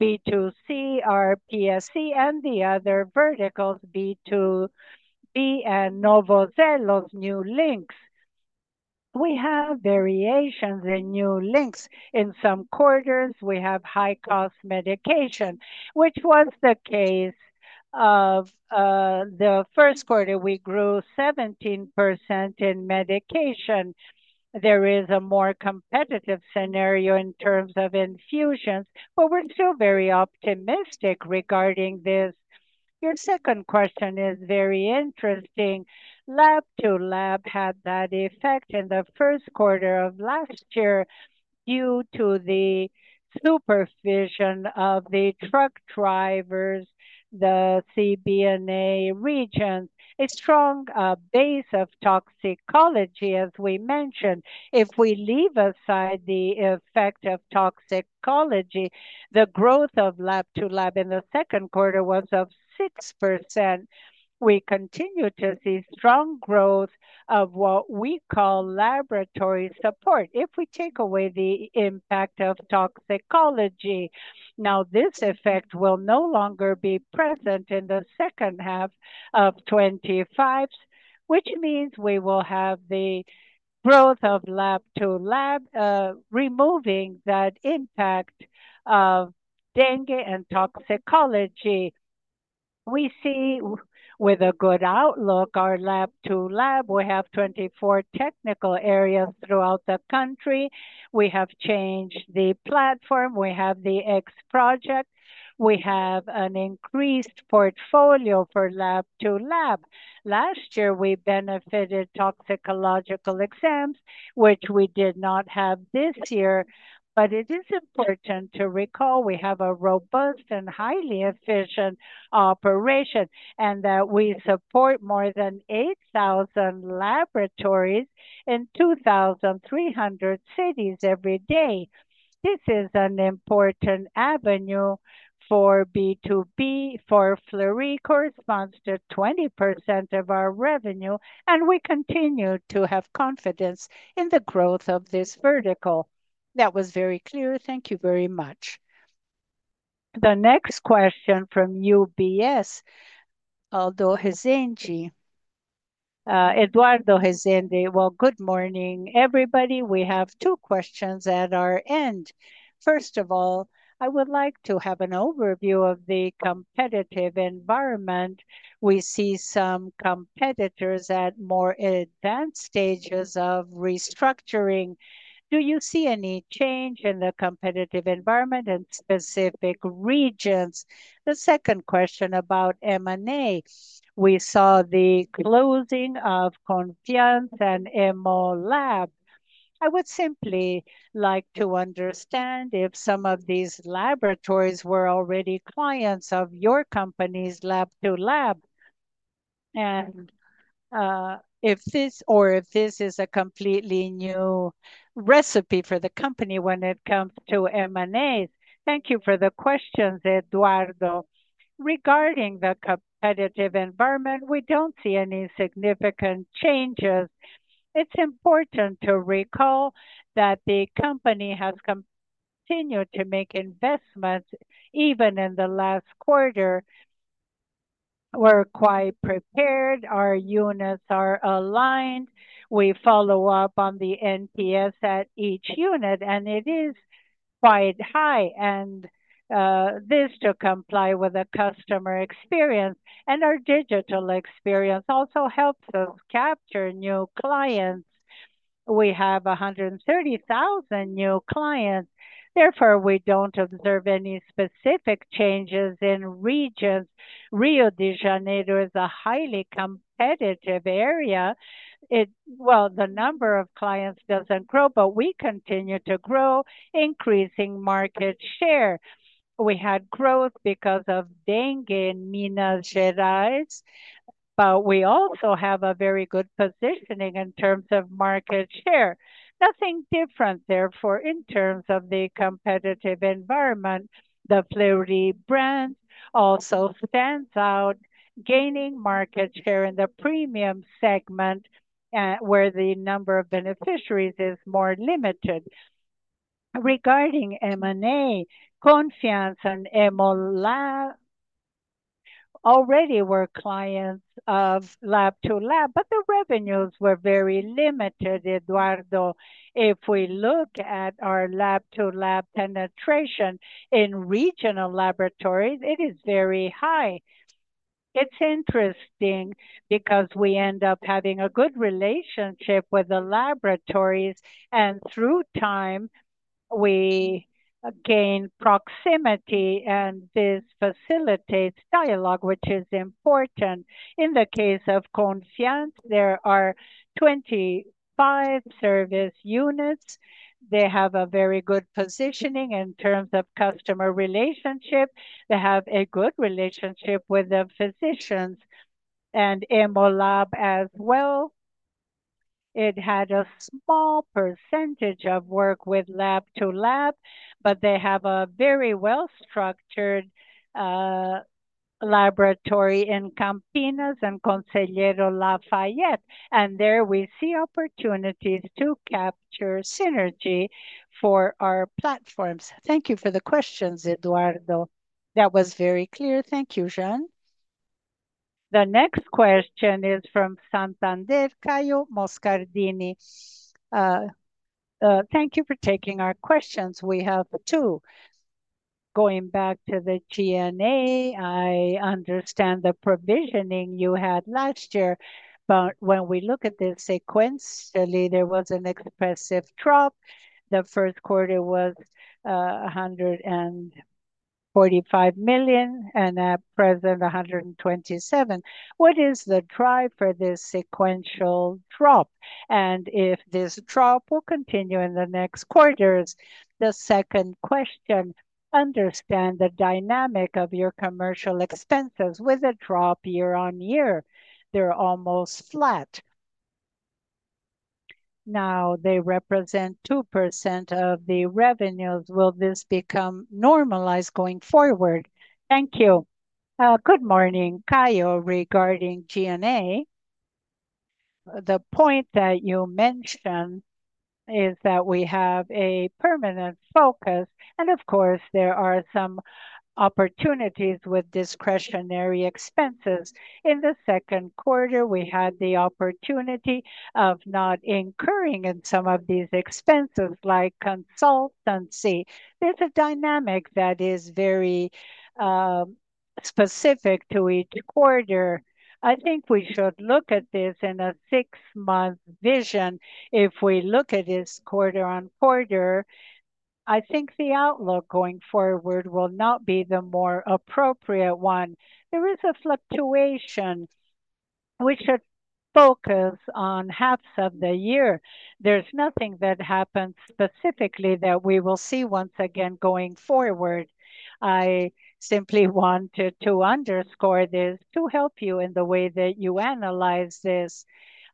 Speaker 2: B2C, RPSC, and the other verticals, B2B and Novo Elos (New Links). We have variations in New Links. In some quarters, we have high-cost medication, which was the case of the first quarter. We grew 17% in medication. There is a more competitive scenario in terms of infusions, but we're still very optimistic regarding this. Your second question is very interesting. Lab-to-Lab had that effect in the first quarter of last year due to the supervision of the truck drivers, the CB&NA regions, a strong base of toxicology, as we mentioned. If we leave aside the effect of toxicology, the growth of Lab-to-Lab in the second quarter was 6%. We continue to see strong growth of what we call laboratory support if we take away the impact of toxicology. Now, this effect will no longer be present in the second half of 2025, which means we will have the growth of Lab-to-Lab, removing that impact of dengue and toxicology. We see with a good outlook our Lab-to-Lab. We have 24 technical areas throughout the country. We have changed the platform. We have the X project. We have an increased portfolio for Lab-to-Lab. Last year, we benefited toxicological exams, which we did not have this year, but it is important to recall we have a robust and highly efficient operation and that we support more than 8,000 laboratories in 2,300 cities every day. This is an important avenue for B2B. For Fleury, it corresponds to 20% of our revenue, and we continue to have confidence in the growth of this vertical.
Speaker 7: That was very clear. Thank you very much.
Speaker 4: The next question from UBS, Eduardo Hesendi.
Speaker 8: Good morning, everybody. We have two questions at our end. First of all, I would like to have an overview of the competitive environment. We see some competitors at more advanced stages of restructuring. Do you see any change in the competitive environment in specific regions? The second question about M&A. We saw the closing of Confiance and HeMoLab. I would simply like to understand if some of these laboratories were already clients of your company's Lab-to-Lab, or if this is a completely new recipe for the company when it comes to M&A.
Speaker 2: Thank you for the questions, Eduardo. Regarding the competitive environment, we don't see any significant changes. It's important to recall that the company has continued to make investments even in the last quarter. We're quite prepared. Our units are aligned. We follow up on the NPS at each unit, and it is quite high, and this to comply with the customer experience. Our digital experience also helps us capture new clients. We have 130,000 new clients. Therefore, we don't observe any specific changes in regions. Rio de Janeiro is a highly competitive area. The number of clients doesn't grow, but we continue to grow, increasing market share. We had growth because of dengue in Minas Gerais, but we also have a very good positioning in terms of market share. Nothing different, therefore, in terms of the competitive environment. The Fleury brand also stands out, gaining market share in the premium segment, where the number of beneficiaries is more limited. Regarding M&A, Confiance and HeMoLab already were clients of Lab-to-Lab, but the revenues were very limited, Eduardo. If we look at our Lab-to-Lab penetration in regional laboratories, it is very high. It's interesting because we end up having a good relationship with the laboratories, and through time, we gain proximity, and this facilitates dialogue, which is important. In the case of Confiance, there are 25 service units. They have a very good positioning in terms of customer relationship. They have a good relationship with the physicians and HeMoLab as well. It had a small percentage of work with Lab-to-Lab, but they have a very well-structured laboratory in Campinas and Conselheiro Lafayette, and there we see opportunities to capture synergy for our platforms. Thank you for the questions, Eduardo.
Speaker 8: That was very clear. Thank you, Jeane.
Speaker 4: The next question is from Santander, Caio Moscardini.
Speaker 9: Thank you for taking our questions. We have two. Going back to the G&A, I understand the provisioning you had last year, but when we look at this sequentially, there was an expressive drop. The first quarter was 145 million, and at present, 127 million. What is the drive for this sequential drop? If this drop will continue in the next quarters, the second question, understand the dynamic of your commercial expenses. With a drop year on year, they're almost flat. Now, they represent 2% of the revenues. Will this become normalized going forward?
Speaker 3: Thank you. Good morning, Caio, regarding G&A. The point that you mentioned is that we have a permanent focus, and of course, there are some opportunities with discretionary expenses. In the second quarter, we had the opportunity of not incurring in some of these expenses, like consultancy. There's a dynamic that is very specific to each quarter. I think we should look at this in a six-month vision. If we look at this quarter on quarter, I think the outlook going forward will not be the more appropriate one. There is a fluctuation. We should focus on halves of the year. There's nothing that happens specifically that we will see once again going forward. I simply wanted to underscore this to help you in the way that you analyze this.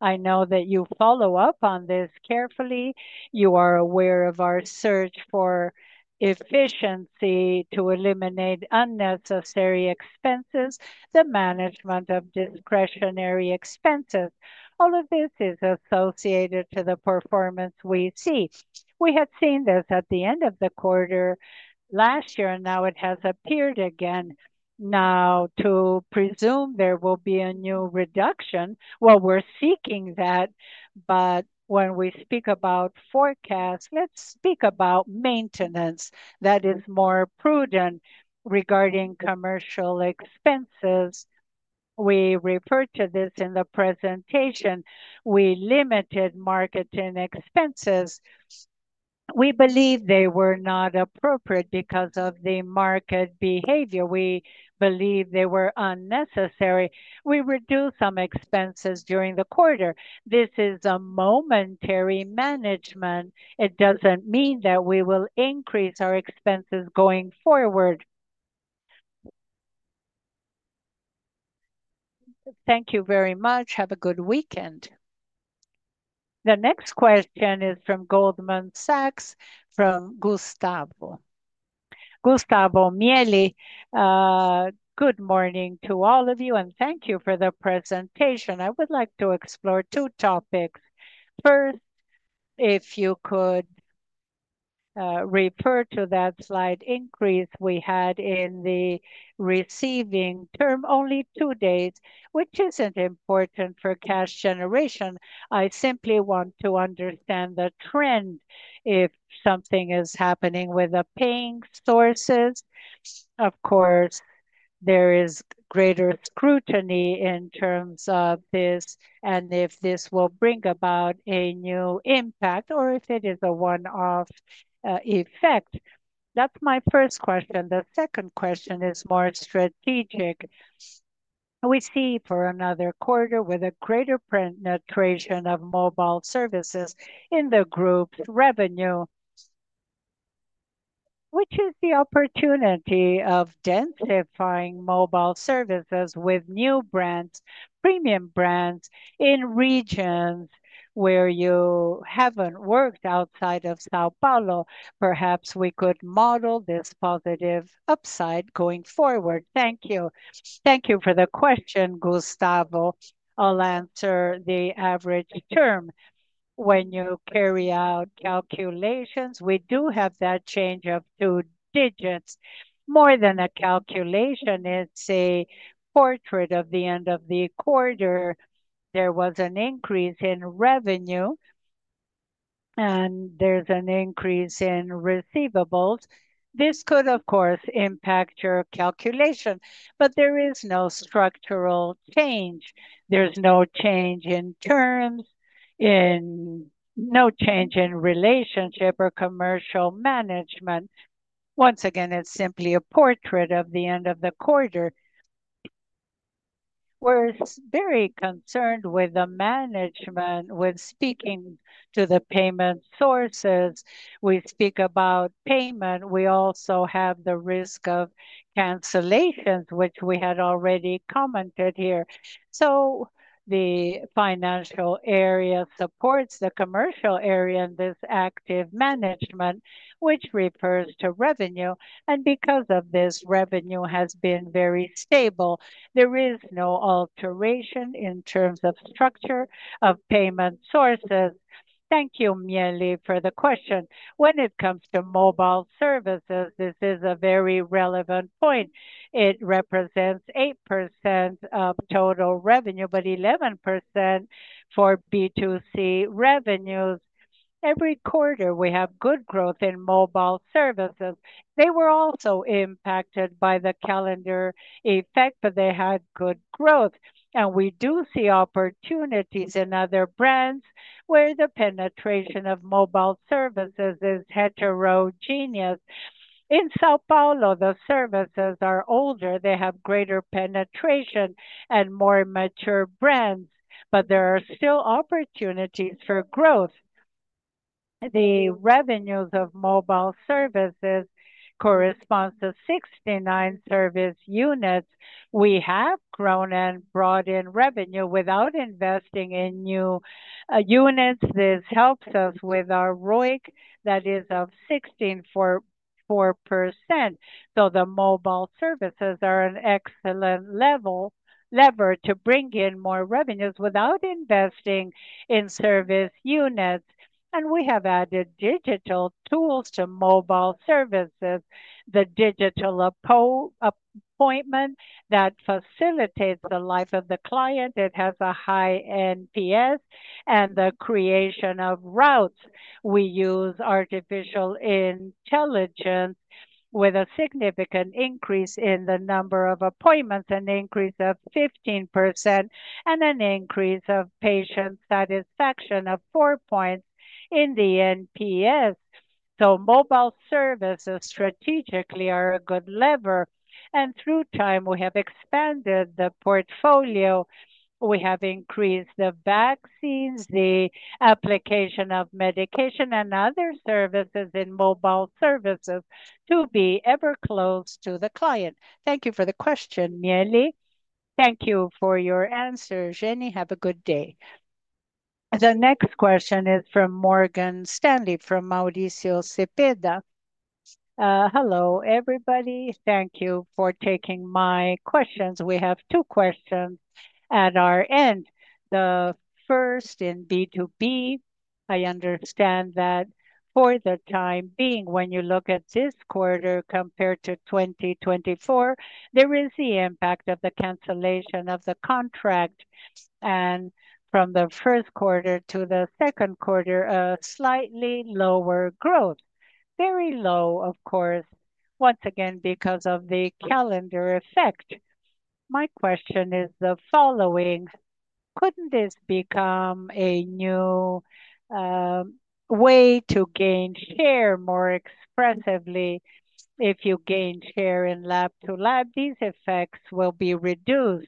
Speaker 3: I know that you follow up on this carefully. You are aware of our search for efficiency to eliminate unnecessary expenses, the management of discretionary expenses. All of this is associated to the performance we see. We had seen this at the end of the quarter last year, and now it has appeared again. To presume there will be a new reduction, we're seeking that, but when we speak about forecasts, let's speak about maintenance that is more prudent regarding commercial expenses. We refer to this in the presentation. We limited marketing expenses. We believe they were not appropriate because of the market behavior. We believe they were unnecessary. We reduce some expenses during the quarter. This is a momentary management. It doesn't mean that we will increase our expenses going forward.
Speaker 9: Thank you very much. Have a good weekend.
Speaker 4: The next question is from Goldman Sachs, from Gustavo Miele.
Speaker 10: Good morning to all of you, and thank you for the presentation. I would like to explore two topics. First, if you could refer to that slide increase we had in the receiving term, only two days, which isn't important for cash generation. I simply want to understand the trend. If something is happening with the paying sources, of course, there is greater scrutiny in terms of this, and if this will bring about a new impact or if it is a one-off effect. That's my first question. The second question is more strategic. We see for another quarter with a greater penetration of mobile services in the group's revenue, which is the opportunity of densifying mobile services with new brands, premium brands in regions where you haven't worked outside of São Paulo. Perhaps we could model this positive upside going forward. Thank you.
Speaker 3: Thank you for the question, Gustavo. I'll answer the average term. When you carry out calculations, we do have that change of two digits. More than a calculation, it's a portrait of the end of the quarter. There was an increase in revenue, and there's an increase in receivables. This could, of course, impact your calculation, but there is no structural change. There's no change in terms, no change in relationship or commercial management. Once again, it's simply a portrait of the end of the quarter. We're very concerned with the management when speaking to the payment sources. We speak about payment. We also have the risk of cancellations, which we had already commented here. The financial area supports the commercial area in this active management, which refers to revenue, and because of this, revenue has been very stable. There is no alteration in terms of structure of payment sources.
Speaker 2: Thank you, Miele, for the question. When it comes to mobile services, this is a very relevant point. It represents 8% of total revenue, but 11% for B2C revenues. Every quarter, we have good growth in mobile services. They were also impacted by the calendar effect, but they had good growth, and we do see opportunities in other brands where the penetration of mobile services is heterogeneous. In São Paulo, the services are older. They have greater penetration and more mature brands, but there are still opportunities for growth. The revenues of mobile services correspond to 69 service units. We have grown and brought in revenue without investing in new units. This helps us with our ROIC that is of 16.4%. The mobile services are an excellent lever to bring in more revenues without investing in service units, and we have added digital tools to mobile services. The digital appointment that facilitates the life of the client, it has a high NPS and the creation of routes. We use artificial intelligence with a significant increase in the number of appointments, an increase of 15%, and an increase of patient satisfaction of 4 points in the NPS. Mobile services strategically are a good lever, and through time, we have expanded the portfolio. We have increased the vaccines, the application of medication, and other services in mobile services to be ever close to the client. Thank you for the question, Mieli.
Speaker 10: Thank you for your answer, Jeane. Have a good day.
Speaker 4: The next question is from Morgan Stanley from Mauricio Cepeda.
Speaker 11: Hello, everybody. Thank you for taking my questions. We have two questions at our end. The first in B2B. I understand that for the time being, when you look at this quarter compared to 2024, there is the impact of the cancellation of the contract, and from the first quarter to the second quarter, a slightly lower growth. Very low, of course, once again, because of the calendar effect. My question is the following: Couldn't this become a new way to gain share more expressively? If you gain share in Lab-to-Lab, these effects will be reduced,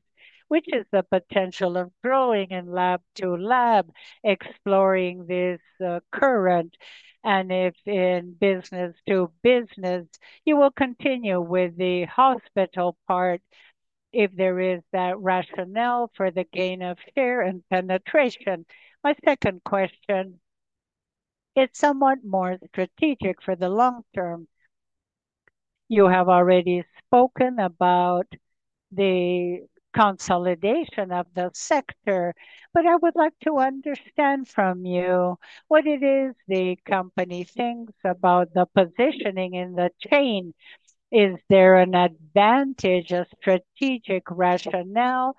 Speaker 11: which is the potential of growing in Lab-to-Lab, exploring this current, and if in business to business, you will continue with the hospital parts if there is that rationale for the gain of share and penetration. My second question is somewhat more strategic for the long term. You have already spoken about the consolidation of the sector, but I would like to understand from you what it is the company thinks about the positioning in the chain. Is there an advantage, a strategic rationale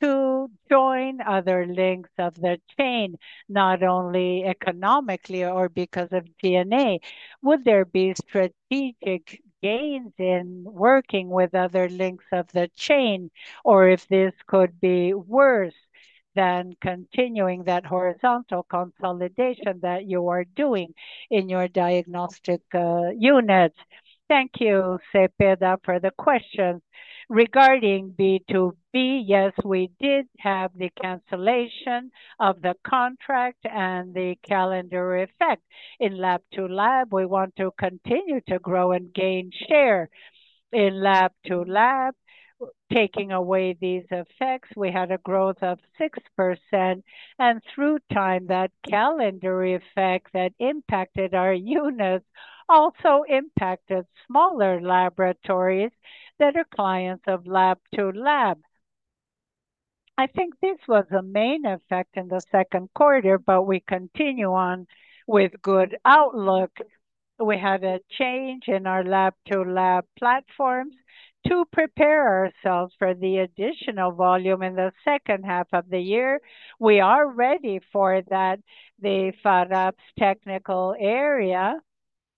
Speaker 11: to join other links of the chain, not only economically or because of G&A? Would there be strategic gains in working with other links of the chain, or if this could be worse than continuing that horizontal consolidation that you are doing in your diagnostic units?
Speaker 2: Thank you, Cepeda, for the question. Regarding B2B, yes, we did have the cancellation of the contract and the calendar effect. In Lab-to-Lab, we want to continue to grow and gain share. In Lab-to-Lab, taking away these effects, we had a growth of 6%, and through time, that calendar effect that impacted our units also impacted smaller laboratories that are clients of Lab-to-Lab. I think this was a main effect in the second quarter, but we continue on with good outlook. We had a change in our Lab-to-Lab platforms to prepare ourselves for the additional volume in the second half of the year. We are ready for that, the [FADAPS] technical area,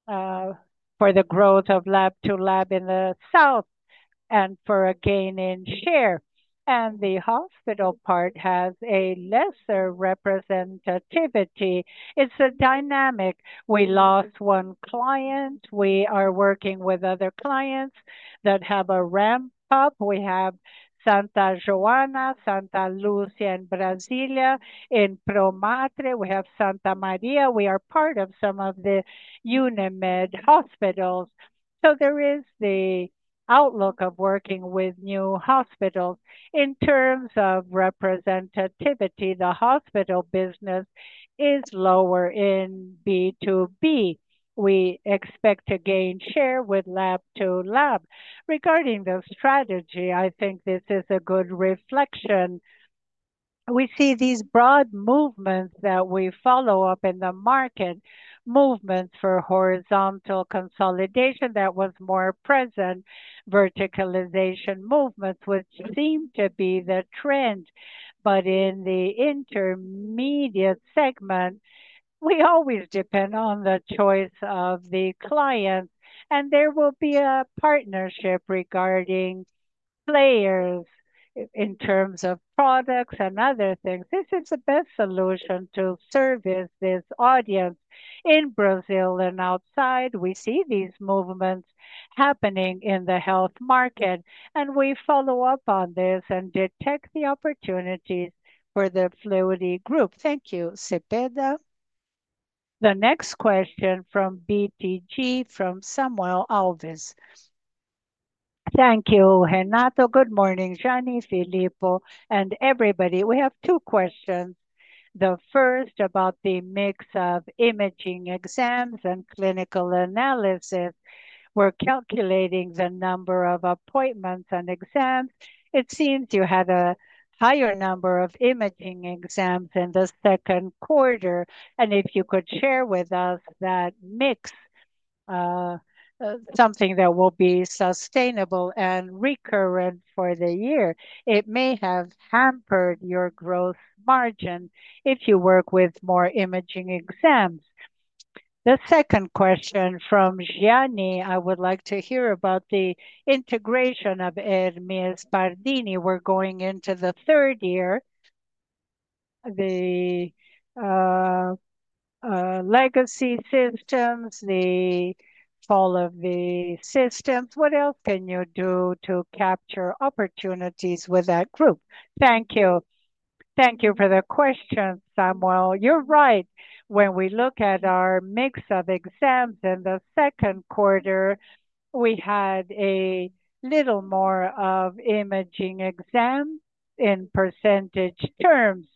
Speaker 2: for the growth of Lab-to-Lab in the south and for a gain in share. The hospital part has a lesser representativity. It's a dynamic. We lost one client. We are working with other clients that have a ramp-up. We have Santa Joana, Santa Luzia in Brasilia, in Pro Matre. We have Santa Maria. We are part of some of the Unimed hospitals. There is the outlook of working with new hospitals. In terms of representativity, the hospital business is lower in B2B. We expect to gain share with Lab-to-Lab. Regarding the strategy, I think this is a good reflection. We see these broad movements that we follow up in the market, movements for horizontal consolidation that were more present, verticalization movements, which seem to be the trend. In the intermediate segment, we always depend on the choice of the clients, and there will be a partnership regarding players in terms of products and other things. This is the best solution to service this audience in Brazil and outside. We see these movements happening in the health market, and we follow up on this and detect the opportunities for the Fleury Group.
Speaker 4: Thank you, Cepeda. The next question from BTG from Samuel Alves.
Speaker 12: Thank you, Renato. Good morning, Jeane, Filippo, and everybody. We have two questions. The first is about the mix of imaging exams and clinical analysis. We're calculating the number of appointments and exams. It seems you had a higher number of imaging exams in the second quarter. If you could share with us that mix, something that will be sustainable and recurrent for the year. It may have hampered your growth margin if you work with more imaging exams. The second question from Jeane. I would like to hear about the integration of Hermes and Pardini. We're going into the third year. The legacy systems, the fall of the systems.
Speaker 2: What else can you do to capture opportunities with that group? Thank you. Thank you for the question, Samuel. You're right. When we look at our mix of exams in the second quarter, we had a little more of imaging exams in percentage terms.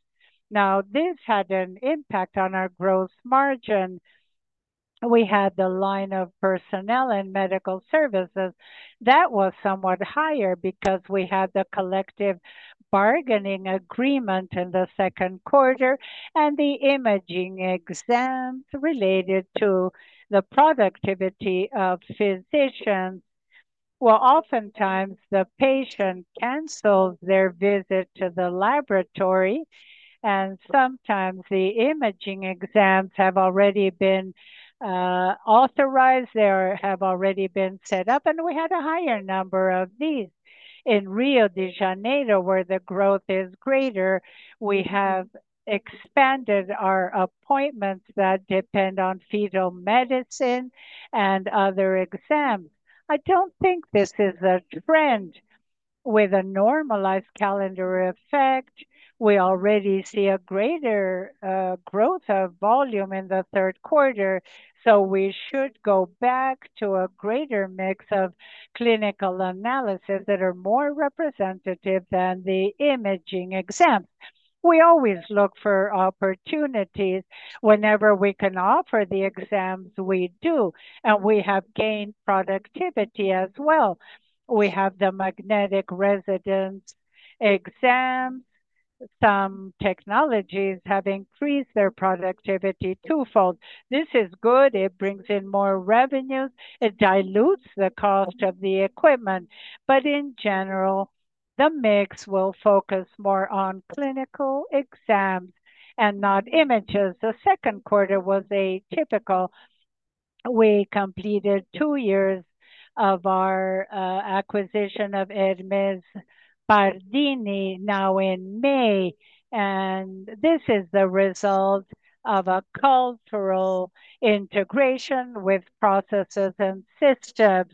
Speaker 2: This had an impact on our growth margin. We had the line of personnel and medical services that was somewhat higher because we had the collective bargaining agreement in the second quarter and the imaging exams related to the productivity of physicians. Oftentimes, the patient cancels their visit to the laboratory, and sometimes the imaging exams have already been authorized or have already been set up. We had a higher number of these in Rio de Janeiro, where the growth is greater. We have expanded our appointments that depend on fetal medicine and other exams. I don't think this is a trend. With a normalized calendar effect, we already see a greater growth of volume in the third quarter. We should go back to a greater mix of clinical analysis that are more representative than the imaging exams. We always look for opportunities. Whenever we can offer the exams, we do. We have gained productivity as well. We have the magnetic resonance exam. Some technologies have increased their productivity twofold. This is good. It brings in more revenues. It dilutes the cost of the equipment. In general, the mix will focus more on clinical exams and not images. The second quarter was atypical. We completed two years of our acquisition of Hermes and Pardini now in May. This is the result of a cultural integration with processes and systems.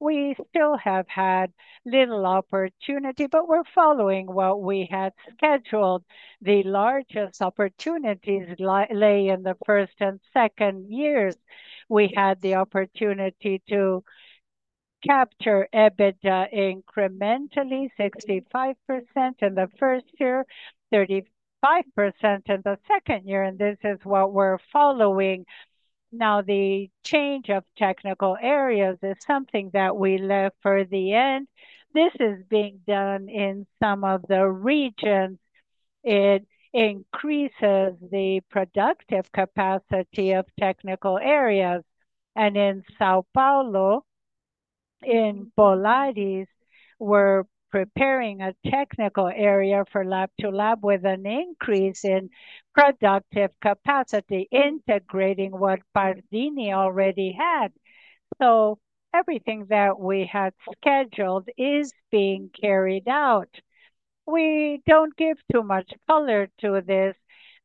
Speaker 2: We still have had little opportunity, but we're following what we had scheduled. The largest opportunities lay in the first and second years. We had the opportunity to capture EBITDA incrementally, 65% in the first year, 35% in the second year. This is what we're following. The change of technical areas is something that we left for the end. This is being done in some of the regions. It increases the productive capacity of technical areas. In São Paulo, in Polaris, we're preparing a technical area for lab to lab with an increase in productive capacity, integrating what Pardini already had. Everything that we had scheduled is being carried out. We don't give too much color to this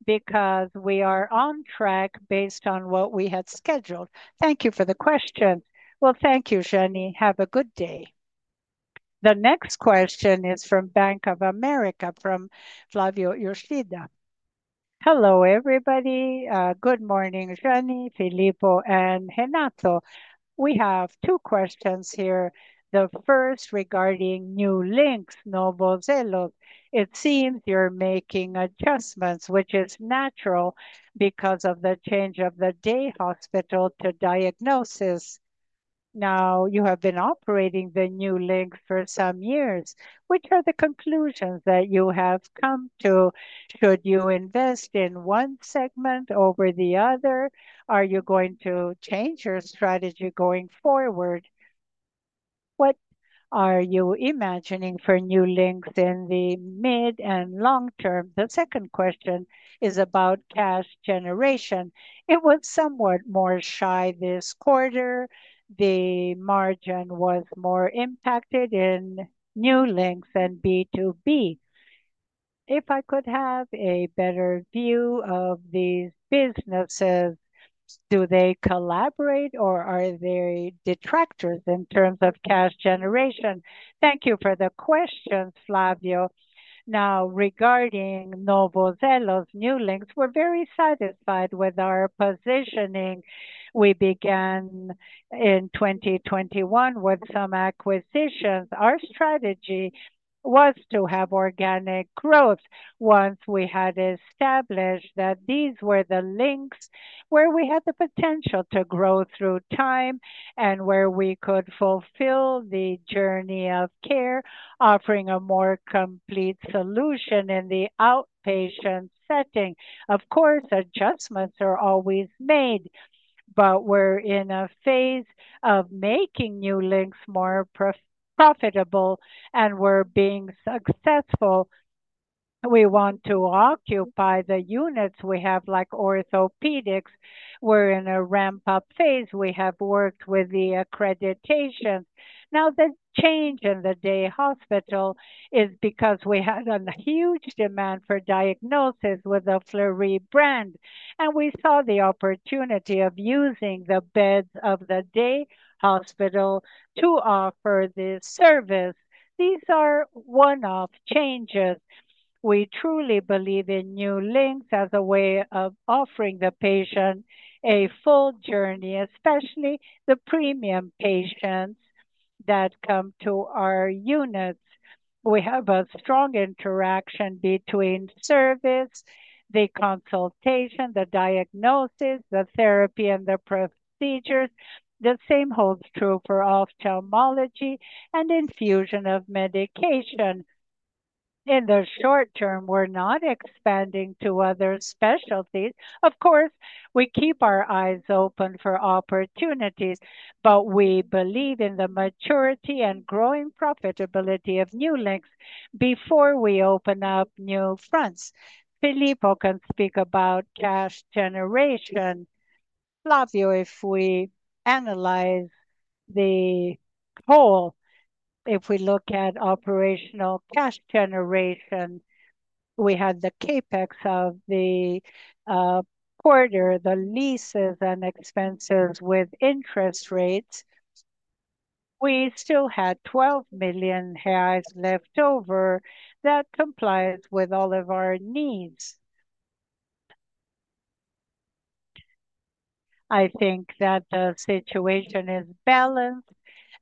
Speaker 2: because we are on track based on what we had scheduled.
Speaker 12: Thank you for the question. Thank you, Jeane. Have a good day.
Speaker 4: The next question is from Bank of America, from Flavio Yoshida.
Speaker 13: Hello, everybody. Good morning, Gianni, Filippo, and Renato. We have two questions here. The first is regarding New Links, Novos Elos. It seems you're making adjustments, which is natural because of the change of the day hospital to diagnosis. You have been operating the New Links for some years. Which are the conclusions that you have come to? Should you invest in one segment over the other? Are you going to change your strategy going forward? What are you imagining for New Links in the mid and long term? The second question is about cash generation. It was somewhat more shy this quarter. The margin was more impacted in New Links and B2B. If I could have a better view of these businesses, do they collaborate or are they detractors in terms of cash generation?
Speaker 2: Thank you for the question, Flavio. Regarding Novo Elos, New Links, we're very satisfied with our positioning. We began in 2021 with some acquisitions. Our strategy was to have organic growth once we had established that these were the links where we had the potential to grow through time and where we could fulfill the journey of care, offering a more complete solution in the outpatient setting. Of course, adjustments are always made, but we're in a phase of making New Links more profitable, and we're being successful. We want to occupy the units we have, like orthopedics. We're in a ramp-up phase. We have worked with the accreditation. Now, the change in the day hospital is because we had a huge demand for diagnosis with the Fleury brand, and we saw the opportunity of using the beds of the day hospital to offer this service. These are one-off changes. We truly believe in New Links as a way of offering the patient a full journey, especially the premium patients that come to our units. We have a strong interaction between service, the consultation, the diagnosis, the therapy, and the procedures. The same holds true for ophthalmology and infusion of medication. In the short term, we're not expanding to other specialties. Of course, we keep our eyes open for opportunities, but we believe in the maturity and growing profitability of New Links before we open up new fronts. Filippo can speak about cash generation.
Speaker 3: Flavio, if we analyze the whole, if we look at operational cash generation, we had the CapEx of the quarter, the leases, and expenses with interest rates. We still had 12 million reais left over that complies with all of our needs. I think that the situation is balanced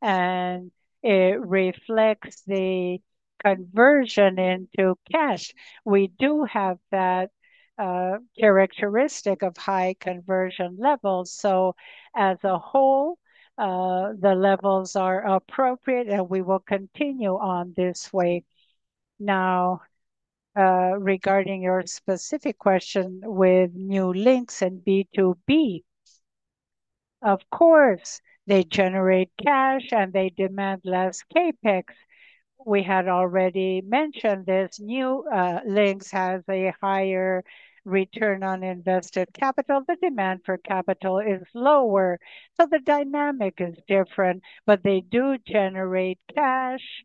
Speaker 3: and it reflects the conversion into cash. We do have that characteristic of high conversion levels. As a whole, the levels are appropriate and we will continue on this way. Now, regarding your specific question with New Links and B2B, of course, they generate cash and they demand less CapEx. We had already mentioned this New Links has a higher return on invested capital. The demand for capital is lower. The dynamic is different, but they do generate cash.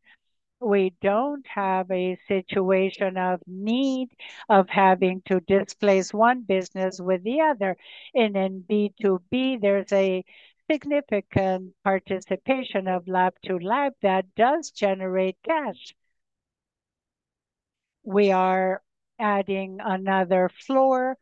Speaker 3: We don't have a situation of need of having to displace one business with the other. In B2B, there's a significant participation of lab to lab that does generate cash. We are adding another floor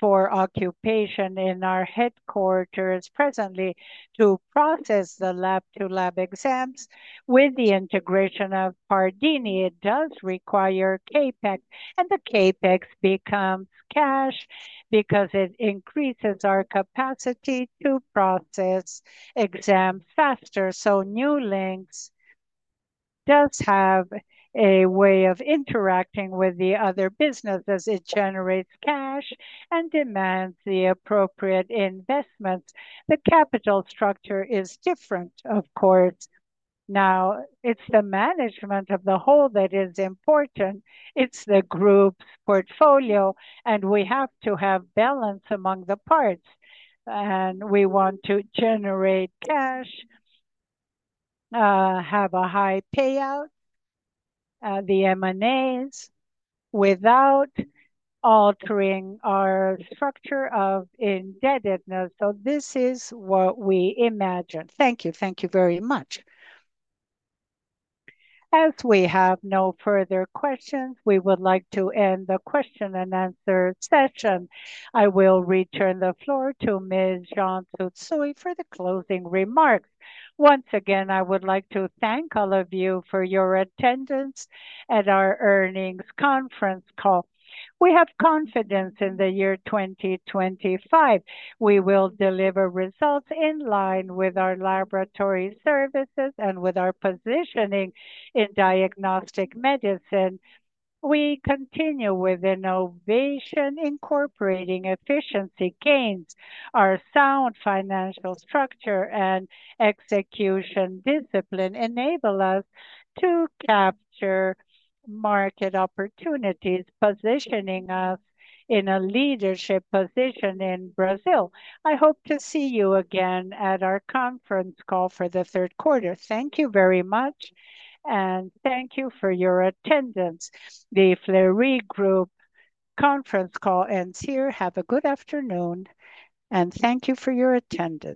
Speaker 3: for occupation in our headquarters presently to process the lab to lab exams. With the integration of Pardini, it does require CapEx, and the CapEx becomes cash because it increases our capacity to process exams faster. New Links does have a way of interacting with the other businesses. It generates cash and demands the appropriate investments. The capital structure is different, of course. Now, it's the management of the whole that is important. It's the group's portfolio, and we have to have balance among the parts. We want to generate cash, have a high payout, the M&As, without altering our structure of indebtedness. This is what we imagine.
Speaker 13: Thank you. Thank you very much.
Speaker 4: As we have no further questions, we would like to end the question and answer session. I will return the floor to Ms. Jeane Tsutsui for the closing remarks.
Speaker 2: Once again, I would like to thank all of you for your attendance at our earnings conference call. We have confidence in the year 2025. We will deliver results in line with our laboratory services and with our positioning in diagnostic medicine. We continue with innovation, incorporating efficiency gains. Our sound financial structure and execution discipline enable us to capture market opportunities, positioning us in a leadership position in Brazil. I hope to see you again at our conference call for the third quarter.
Speaker 1: Thank you very much, and thank you for your attendance. The Fleury Group conference call ends here. Have a good afternoon, and thank you for your attendance.